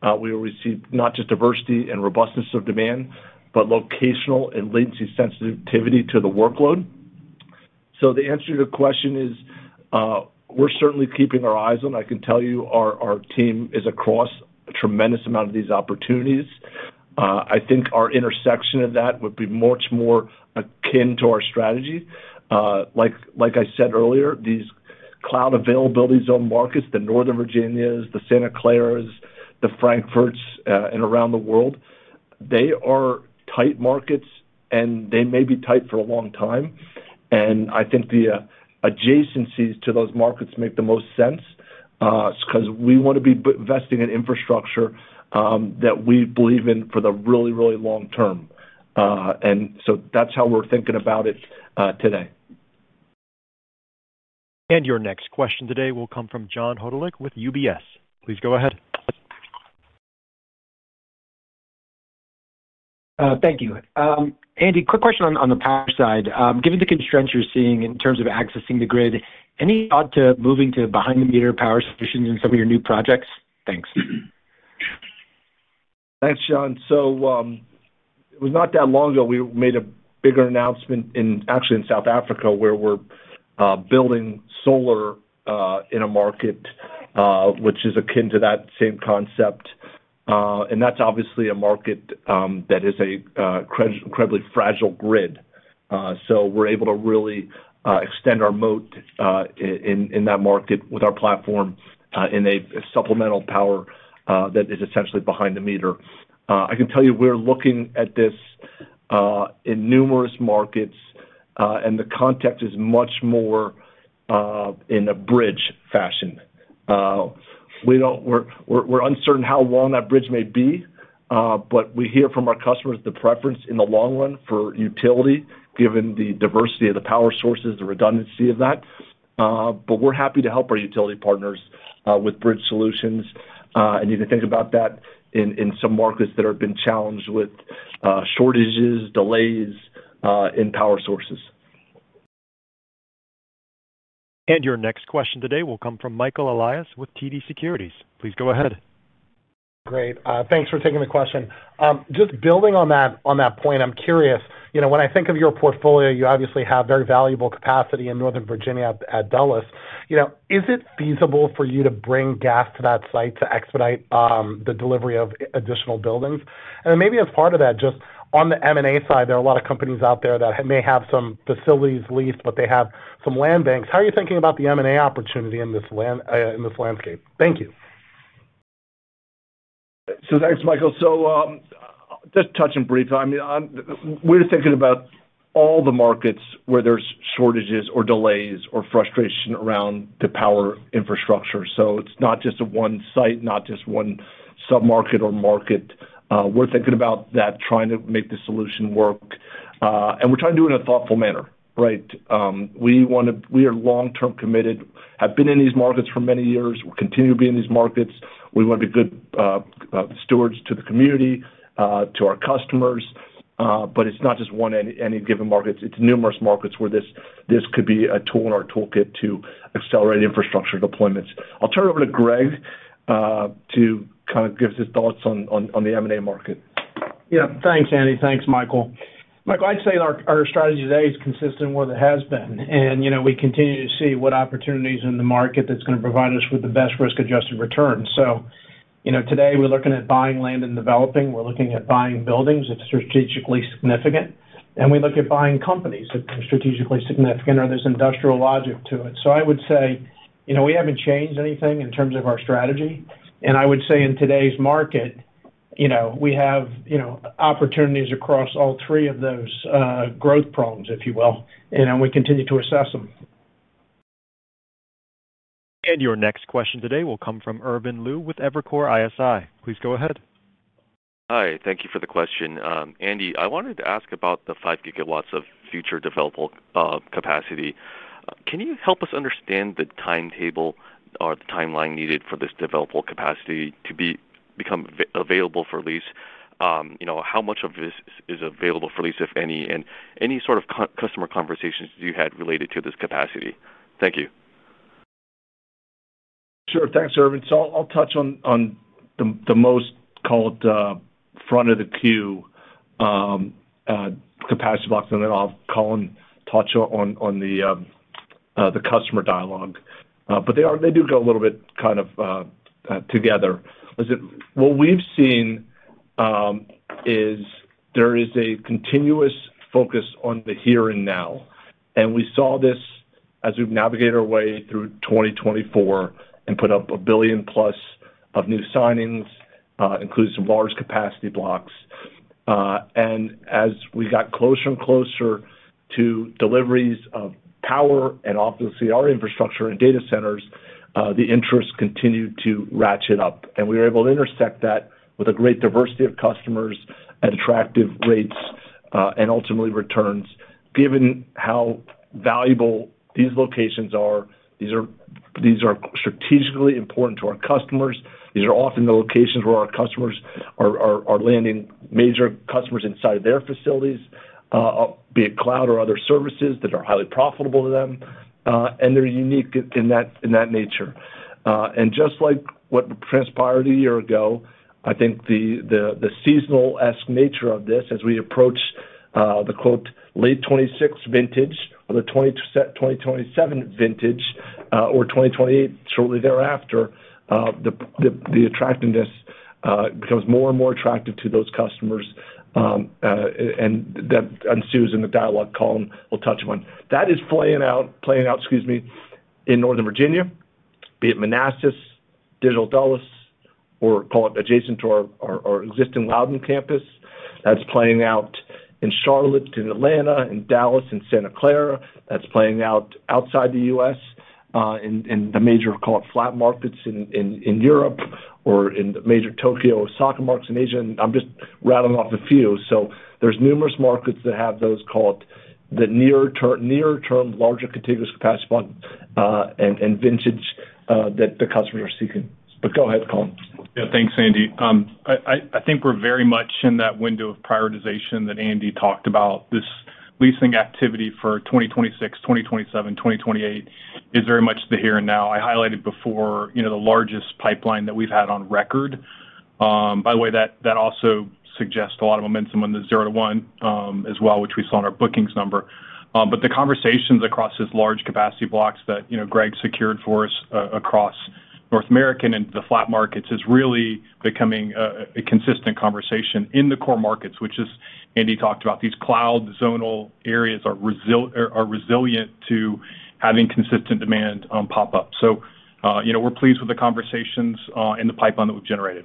where we see not just diversity and robustness of demand, but locational and latency sensitivity to the workload. The answer to your question is we're certainly keeping our eyes on. I can tell you our team is across a tremendous amount of these opportunities. I think our intersection of that would be much more akin to our strategy. Like I said earlier, these cloud availability zone markets, the Northern Virginia, the Santa Claras, the Frankfurts, and around the world, they are tight markets, and they may be tight for a long time. I think the adjacencies to those markets make the most sense because we want to be investing in infrastructure that we believe in for the really, really long term. That's how we're thinking about it today. Your next question today will come from John Hodulik with UBS. Please go ahead. Thank you. Andy, quick question on the power side. Given the constraints you're seeing in terms of accessing the grid, any thought to moving to behind-the-meter power solutions in some of your new projects? Thanks. Thanks, John. It was not that long ago we made a bigger announcement actually in South Africa where we're building solar in a market which is akin to that same concept. That's obviously a market that is an incredibly fragile grid. We're able to really extend our moat in that market with our platform in a supplemental power that is essentially behind the meter. I can tell you we're looking at this in numerous markets, and the context is much more in a bridge fashion. We're uncertain how long that bridge may be, but we hear from our customers the preference in the long run for utility, given the diversity of the power sources, the redundancy of that. We're happy to help our utility partners with bridge solutions, and you can think about that in some markets that have been challenged with shortages, delays in power sources. Your next question today will come from Michael Elias with TD Securities. Please go ahead. Great. Thanks for taking the question. Just building on that point, I'm curious, you know, when I think of your portfolio, you obviously have very valuable capacity in Northern Virginia at Dulles. Is it feasible for you to bring gas to that site to expedite the delivery of additional buildings? Maybe as part of that, just on the M&A side, there are a lot of companies out there that may have some facilities leased, but they have some land banks. How are you thinking about the M&A opportunity in this landscape? Thank you. Thank you, Michael. Just touching briefly, we're thinking about all the markets where there's shortages or delays or frustration around the power infrastructure. It's not just one site, not just one submarket or market. We're thinking about that, trying to make the solution work, and we're trying to do it in a thoughtful manner, right? We are long-term committed, have been in these markets for many years, and we'll continue to be in these markets. We want to be good stewards to the community and to our customers. It's not just one in any given market. It's numerous markets where this could be a tool in our toolkit to accelerate infrastructure deployments. I'll turn it over to Greg to give his thoughts on the M&A market. Yeah, thanks, Andy. Thanks, Michael. Michael, I'd say our strategy today is consistent with what it has been. We continue to see what opportunities in the market that's going to provide us with the best risk-adjusted return. Today we're looking at buying land and developing. We're looking at buying buildings. It's strategically significant. We look at buying companies that are strategically significant, or there's industrial logic to it. I would say we haven't changed anything in terms of our strategy. In today's market, we have opportunities across all three of those growth prongs, if you will. We continue to assess them. Your next question today will come from Irvin Liu with Evercore ISI. Please go ahead. Hi, thank you for the question. Andy, I wanted to ask about the 5 GW of future developable capacity. Can you help us understand the timetable or the timeline needed for this developable capacity to become available for lease? How much of this is available for lease, if any, and any sort of customer conversations you had related to this capacity? Thank you. Sure, thanks, Irvin. I'll touch on the most, call it, front of the queue capacity blocks, and then I'll call and touch on the customer dialogue. They do go a little bit kind of together. What we've seen is there is a continuous focus on the here and now. We saw this as we've navigated our way through 2024 and put up $1 billion plus of new signings, including some large capacity blocks. As we got closer and closer to deliveries of power and obviously our infrastructure and data centers, the interest continued to ratchet up. We were able to intersect that with a great diversity of customers at attractive rates and ultimately returns, given how valuable these locations are. These are strategically important to our customers. These are often the locations where our customers are landing major customers inside of their facilities, be it cloud or other services that are highly profitable to them. They're unique in that nature. Just like what transpired a year ago, I think the seasonal-esque nature of this, as we approach the quote "late '26 vintage" or the "2027 vintage" or "2028" shortly thereafter, the attractiveness becomes more and more attractive to those customers. That ensues in the dialogue Colin will touch on. That is playing out, excuse me, in Northern Virginia, be it Manassas, Digital Dulles, or call it adjacent to our existing Loudoun campus. That's playing out in Charlotte, in Atlanta, in Dallas, in Santa Clara. That's playing out outside the U.S. in the major, call it, FLAP markets in Europe or in the major Tokyo Osaka markets in Asia. I'm just rattling off a few. There are numerous markets that have those, call it, the near-term larger contiguous capacity fund and vintage that the customers are seeking. Go ahead, Colin. Yeah, thanks, Andy. I think we're very much in that window of prioritization that Andy talked about. This leasing activity for 2026, 2027, 2028 is very much the here and now. I highlighted before, the largest pipeline that we've had on record. By the way, that also suggests a lot of momentum on the zero to one as well, which we saw in our bookings number. The conversations across these large capacity blocks that Greg secured for us across North America and into the FLAP markets is really becoming a consistent conversation in the core markets, which is Andy talked about. These cloud zonal areas are resilient to having consistent demand pop up. We're pleased with the conversations and the pipeline that we've generated.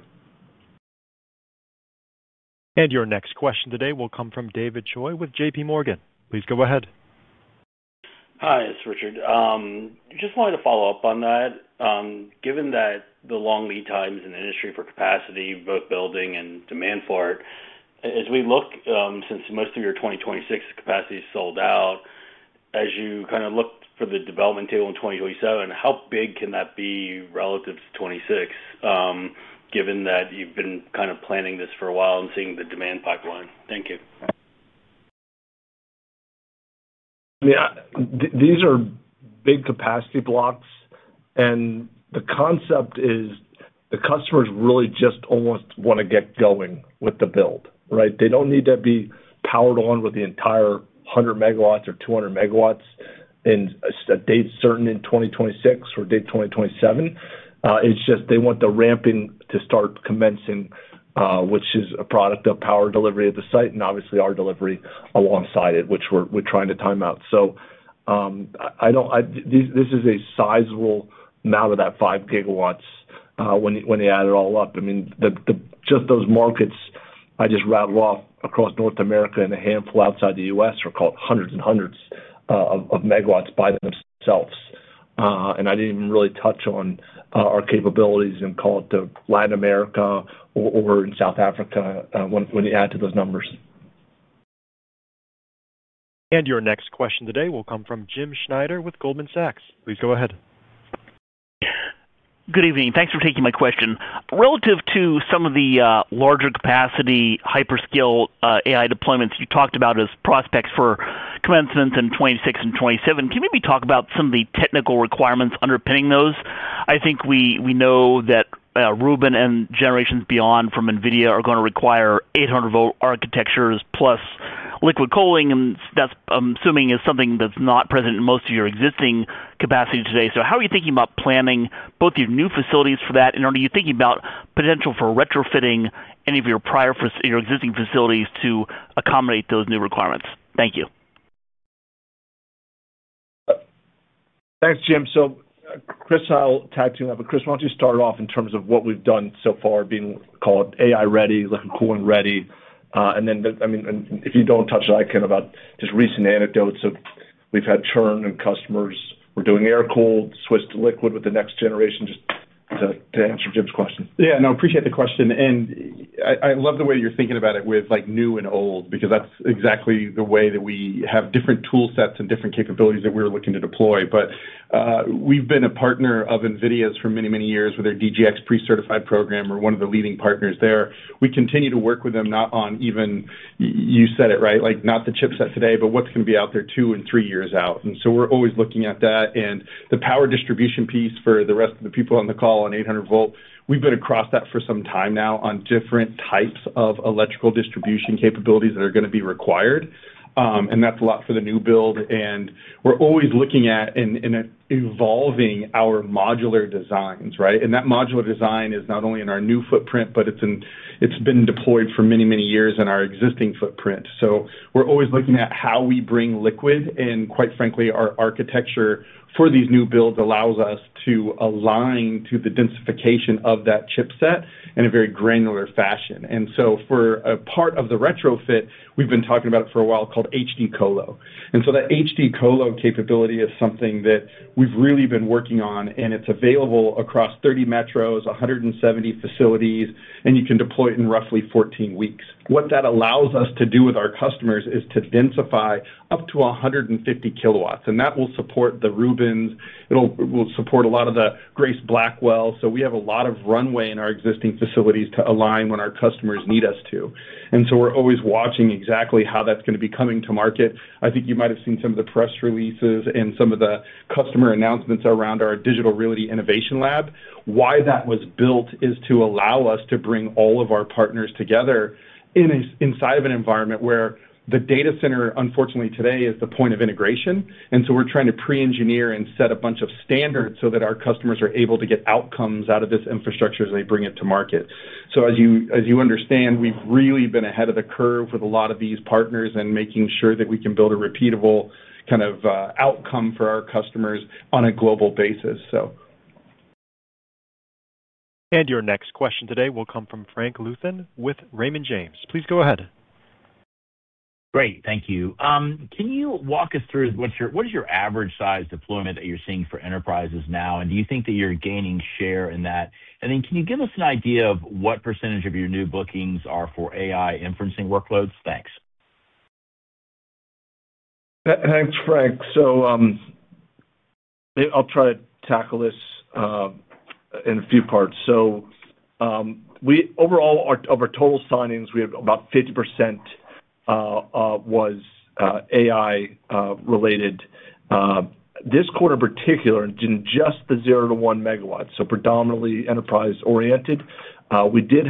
Your next question today will come from David Choi with J.P. Morgan. Please go ahead. Hi, it's Richard. I just wanted to follow up on that. Given the long lead times in the industry for capacity, both building and demand for it, as we look, since most of your 2026 capacity is sold out, as you look for the development table in 2027, how big can that be relative to 2026, given that you've been planning this for a while and seeing the demand pipeline? Thank you. Yeah, these are big capacity blocks. The concept is the customers really just almost want to get going with the build, right? They don't need to be powered on with the entire 100 MW or 200 MW on a date certain in 2026 or a date in 2027. It's just they want the ramping to start commencing, which is a product of power delivery of the site and obviously our delivery alongside it, which we're trying to time out. This is a sizable amount of that 5 GW when you add it all up. I mean, just those markets I just rattle off across North America and a handful outside the U.S. are called hundreds and hundreds of megawatts by themselves. I didn't even really touch on our capabilities in, call it, Latin America or in South Africa when you add to those numbers. Your next question today will come from Jim Schneider with Goldman Sachs. Please go ahead. Good evening. Thanks for taking my question. Relative to some of the larger capacity hyperscale AI deployments you talked about as prospects for commencements in 2026 and 2027, can you maybe talk about some of the technical requirements underpinning those? I think we know that Rubin and generations beyond from NVIDIA are going to require 800-volt architectures plus liquid cooling, and that's, I'm assuming, is something that's not present in most of your existing capacity today. How are you thinking about planning both your new facilities for that, and are you thinking about potential for retrofitting any of your prior existing facilities to accommodate those new requirements? Thank you. Thanks, Jim. Chris, I'll tag team up. Chris, why don't you start off in terms of what we've done so far, being called AI ready, liquid cooling ready. If you don't touch it, I can about just recent anecdotes. We've had churn in customers. We're doing air-cooled, switched to liquid with the next generation, just to answer Jim's question. I appreciate the question. I love the way you're thinking about it with new and old, because that's exactly the way that we have different tool sets and different capabilities that we're looking to deploy. We've been a partner of NVIDIA's for many, many years with their DGX pre-certified program. We're one of the leading partners there. We continue to work with them, not on even, you said it, right? Not the chipset today, but what's going to be out there two and three years out. We're always looking at that. The power distribution piece for the rest of the people on the call on 800 volt, we've been across that for some time now on different types of electrical distribution capabilities that are going to be required. That's a lot for the new build. We're always looking at and evolving our modular designs, right? That modular design is not only in our new footprint, but it's been deployed for many, many years in our existing footprint. We're always looking at how we bring liquid, and quite frankly, our architecture for these new builds allows us to align to the densification of that chipset in a very granular fashion. For a part of the retrofit, we've been talking about it for a while called high-density Colo 2.0. That high-density Colo 2.0 capability is something that we've really been working on, and it's available across 30 metros, 170 facilities, and you can deploy it in roughly 14 weeks. What that allows us to do with our customers is to densify up to 150 kW, and that will support the Rubin. It'll support a lot of the Grace Blackwell. We have a lot of runway in our existing facilities to align when our customers need us to. We're always watching exactly how that's going to be coming to market. I think you might have seen some of the press releases and some of the customer announcements around our Digital Realty Innovation Lab. Why that was built is to allow us to bring all of our partners together inside of an environment where the data center, unfortunately, today is the point of integration. We're trying to pre-engineer and set a bunch of standards so that our customers are able to get outcomes out of this infrastructure as they bring it to market. As you understand, we've really been ahead of the curve with a lot of these partners and making sure that we can build a repeatable kind of outcome for our customers on a global basis. Your next question today will come from Frank Luther with Raymond James. Please go ahead. Great, thank you. Can you walk us through what is your average size deployment that you're seeing for enterprises now, and do you think that you're gaining share in that? Can you give us an idea of what percentage of your new bookings are for AI inferencing workloads? Thanks. Thanks, Frank. I'll try to tackle this in a few parts. Overall, of our total signings, about 50% was AI-related. This quarter in particular, in just the 0 MW to 1 MW, so predominantly enterprise-oriented, we did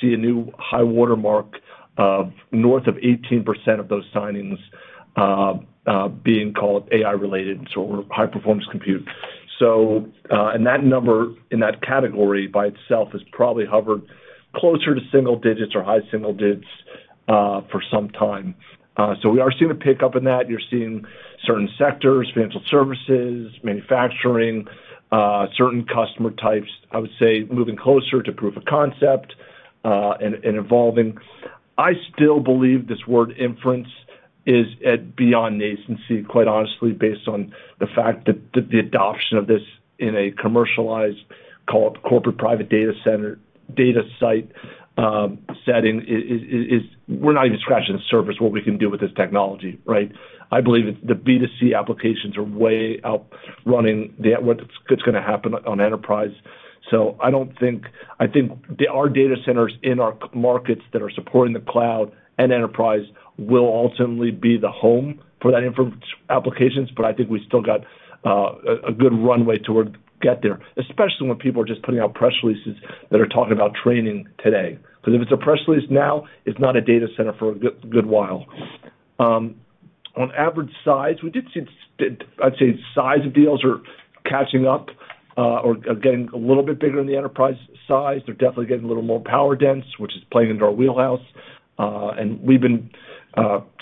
see a new high watermark of north of 18% of those signings being called AI-related, so high-performance compute. That number in that category by itself has probably hovered closer to single digits or high single digits for some time. We are seeing a pickup in that. You're seeing certain sectors, financial services, manufacturing, certain customer types, I would say, moving closer to proof of concept and evolving. I still believe this word inference is at beyond nascency, quite honestly, based on the fact that the adoption of this in a commercialized, call it, corporate private data center data site setting is we're not even scratching the surface of what we can do with this technology, right? I believe the B2C applications are way out running what's going to happen on enterprise. I don't think our data centers in our markets that are supporting the cloud and enterprise will ultimately be the home for that inference applications, but I think we still got a good runway to get there, especially when people are just putting out press releases that are talking about training today. If it's a press release now, it's not a data center for a good while. On average size, we did see I'd say size of deals are catching up or getting a little bit bigger in the enterprise size. They're definitely getting a little more power dense, which is playing into our wheelhouse. We've been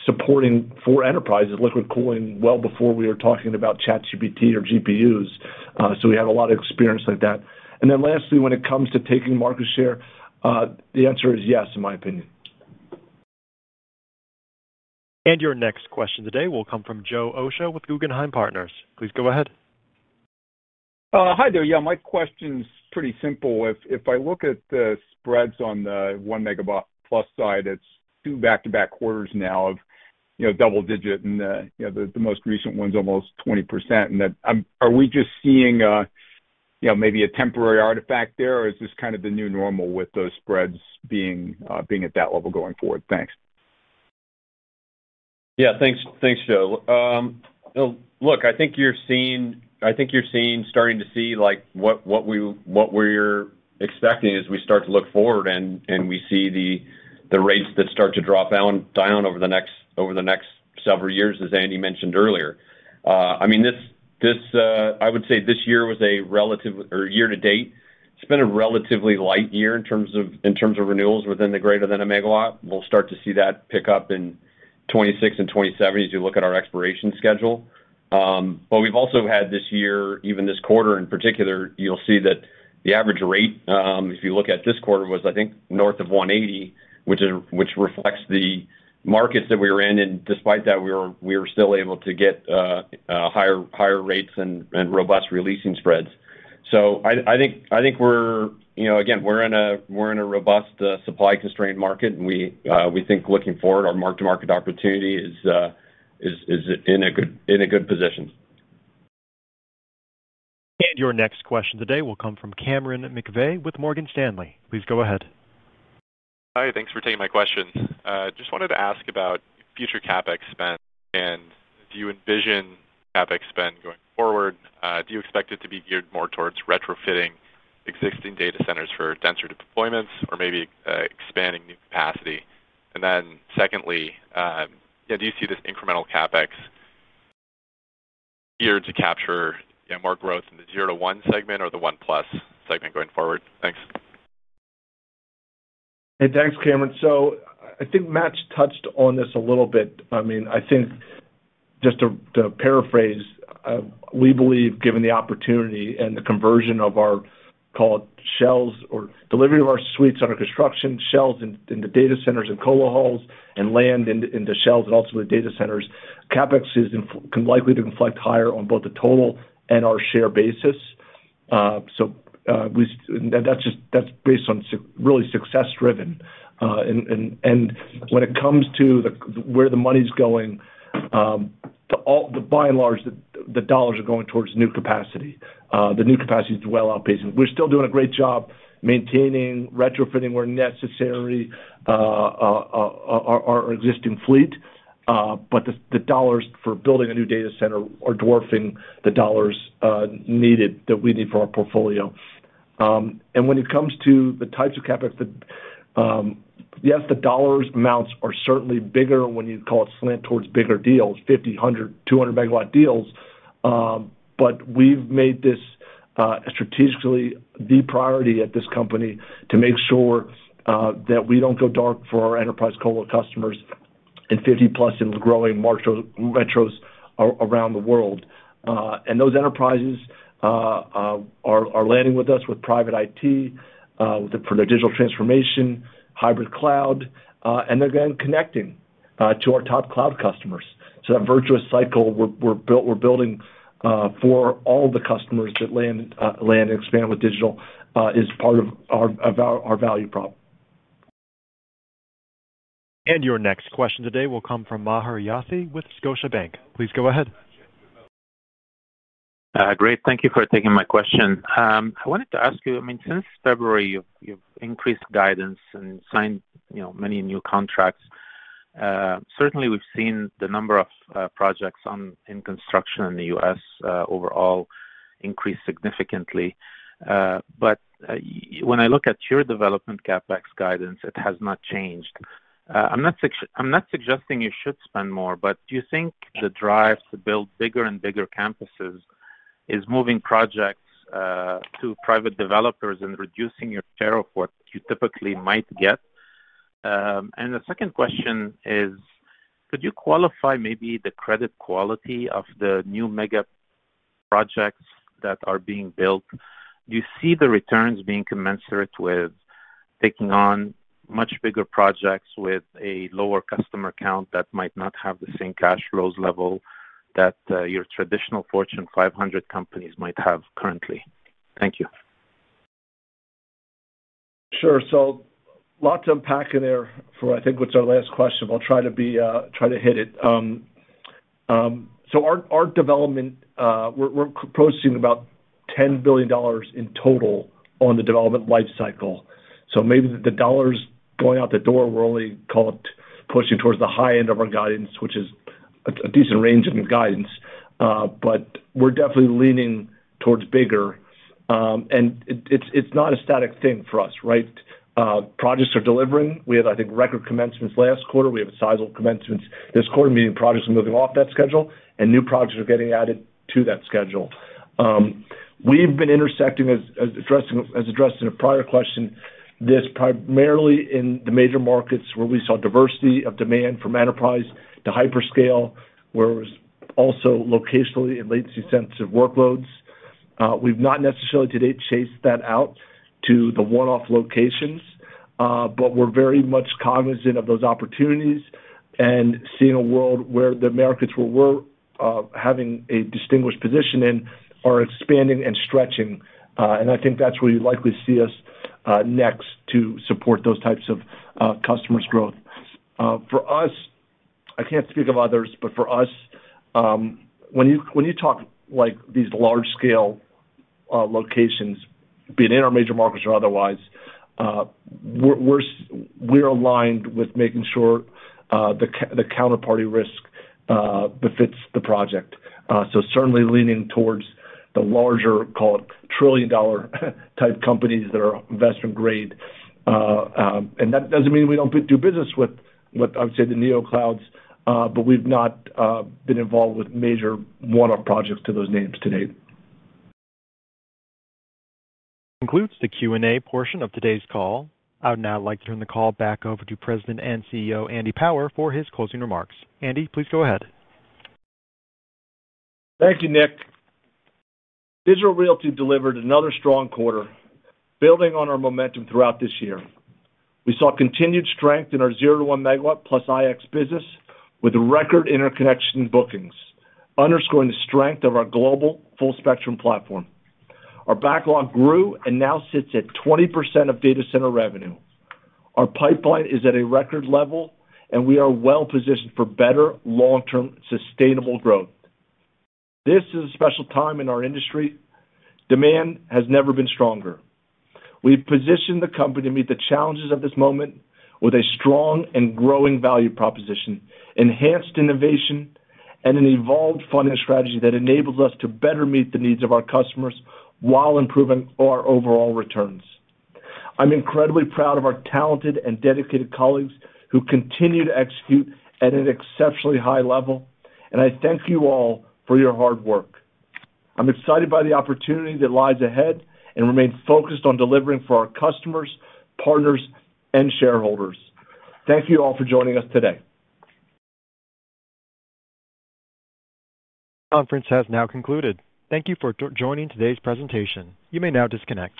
supporting for enterprises liquid cooling well before we were talking about ChatGPT or GPUs. We have a lot of experience like that. Lastly, when it comes to taking market share, the answer is yes, in my opinion. Your next question today will come from Joe Osha with Guggenheim Partners. Please go ahead. Hi there. My question's pretty simple. If I look at the spreads on the one megawatt plus side, it's two back-to-back quarters now of double digit, and the most recent one's almost 20%. Are we just seeing maybe a temporary artifact there, or is this kind of the new normal with those spreads being at that level going forward? Thanks. Yeah, thanks, Joe. Look, I think you're seeing, I think you're starting to see what we're expecting as we start to look forward, and we see the rates that start to drop down over the next several years, as Andy mentioned earlier. I would say this year was a relative, or year to date, it's been a relatively light year in terms of renewals within the greater than a megawatt. We'll start to see that pick up in 2026 and 2027 as you look at our expiration schedule. We've also had this year, even this quarter in particular, you'll see that the average rate, if you look at this quarter, was I think north of $180, which reflects the markets that we were in. Despite that, we were still able to get higher rates and robust releasing spreads. I think we're, you know, again, we're in a robust supply-constrained market, and we think looking forward, our mark-to-market opportunity is in a good position. Your next question today will come from Cameron McVeigh with Morgan Stanley. Please go ahead. Hi, thanks for taking my question. I just wanted to ask about future CapEx spend, and do you envision CapEx spend going forward? Do you expect it to be geared more towards retrofitting existing data centers for denser deployments or maybe expanding new capacity? Secondly, do you see this incremental CapEx geared to capture more growth in the 0 to 1 segment or the one plus segment going forward? Thanks. Hey, thanks, Cameron. I think Matt touched on this a little bit. I mean, just to paraphrase, we believe, given the opportunity and the conversion of our, call it, shells or delivery of our suites under construction, shells in the data centers and colo halls, and land in the shells and ultimately data centers, CapEx can likely inflect higher on both the total and our share basis. That's just based on really success-driven. When it comes to where the money's going, by and large, the dollars are going towards new capacity. The new capacity is well outpacing. We're still doing a great job maintaining, retrofitting where necessary our existing fleet, but the dollars for building a new data center are dwarfing the dollars needed that we need for our portfolio. When it comes to the types of CapEx, yes, the dollar amounts are certainly bigger when you call it slant towards bigger deals, 50, 100, 200 megawatt deals. We've made this a strategically deep priority at this company to make sure that we don't go dark for our enterprise colo customers and 50 plus in growing metros around the world. Those enterprises are landing with us with private IT, with the digital transformation, hybrid cloud, and they're then connecting to our top cloud customers. That virtuous cycle we're building for all the customers that land and expand with Digital is part of our value prop. Your next question today will come from Mahar Yathy with Scotiabank. Please go ahead. Great, thank you for taking my question. I wanted to ask you, since February, you've increased guidance and signed many new contracts. Certainly, we've seen the number of projects in construction in the U.S. overall increase significantly. When I look at your development CapEx guidance, it has not changed. I'm not suggesting you should spend more, do you think the drive to build bigger and bigger campuses is moving projects to private developers and reducing your share of what you typically might get? The second question is, could you qualify maybe the credit quality of the new mega projects that are being built? Do you see the returns being commensurate with taking on much bigger projects with a lower customer count that might not have the same cash flows level that your traditional Fortune 500 companies might have currently? Thank you. Sure. A lot to unpack in there for, I think, what's our last question, but I'll try to hit it. Our development, we're proposing about $10 billion in total on the development lifecycle. Maybe the dollars going out the door, we're only, call it, pushing towards the high end of our guidance, which is a decent range in guidance. We're definitely leaning towards bigger. It's not a static thing for us, right? Projects are delivering. We had, I think, record commencements last quarter. We have a sizeable commencement this quarter, meaning projects are moving off that schedule and new projects are getting added to that schedule. We've been intersecting, as addressed in a prior question, this primarily in the major markets where we saw diversity of demand from enterprise to hyperscale, where it was also locationally and latency-sensitive workloads. We've not necessarily today chased that out to the one-off locations, but we're very much cognizant of those opportunities and seeing a world where the markets where we're having a distinguished position in are expanding and stretching. I think that's where you'd likely see us next to support those types of customers' growth. For us, I can't speak of others, but for us, when you talk like these large-scale locations, be it in our major markets or otherwise, we're aligned with making sure the counterparty risk befits the project. Certainly leaning towards the larger, call it, trillion-dollar type companies that are investment grade. That doesn't mean we don't do business with, I would say, the NeoClouds, but we've not been involved with major one-off projects to those names today. Concludes the Q&A portion of today's call. I would now like to turn the call back over to President and CEO Andy Power for his closing remarks. Andy, please go ahead. Thank you, Nick. Digital Realty delivered another strong quarter, building on our momentum throughout this year. We saw continued strength in our 0 MW to 1 MW plus IX business with record interconnection bookings, underscoring the strength of our global platform full spectrum platform. Our backlog grew and now sits at 20% of data center revenue. Our pipeline is at a record level, and we are well positioned for better long-term sustainable growth. This is a special time in our industry. Demand has never been stronger. We've positioned the company to meet the challenges of this moment with a strong and growing value proposition, enhanced innovation, and an evolved funding strategy that enables us to better meet the needs of our customers while improving our overall returns. I'm incredibly proud of our talented and dedicated colleagues who continue to execute at an exceptionally high level, and I thank you all for your hard work. I'm excited by the opportunity that lies ahead and remain focused on delivering for our customers, partners, and shareholders. Thank you all for joining us today. Conference has now concluded. Thank you for joining today's presentation. You may now disconnect.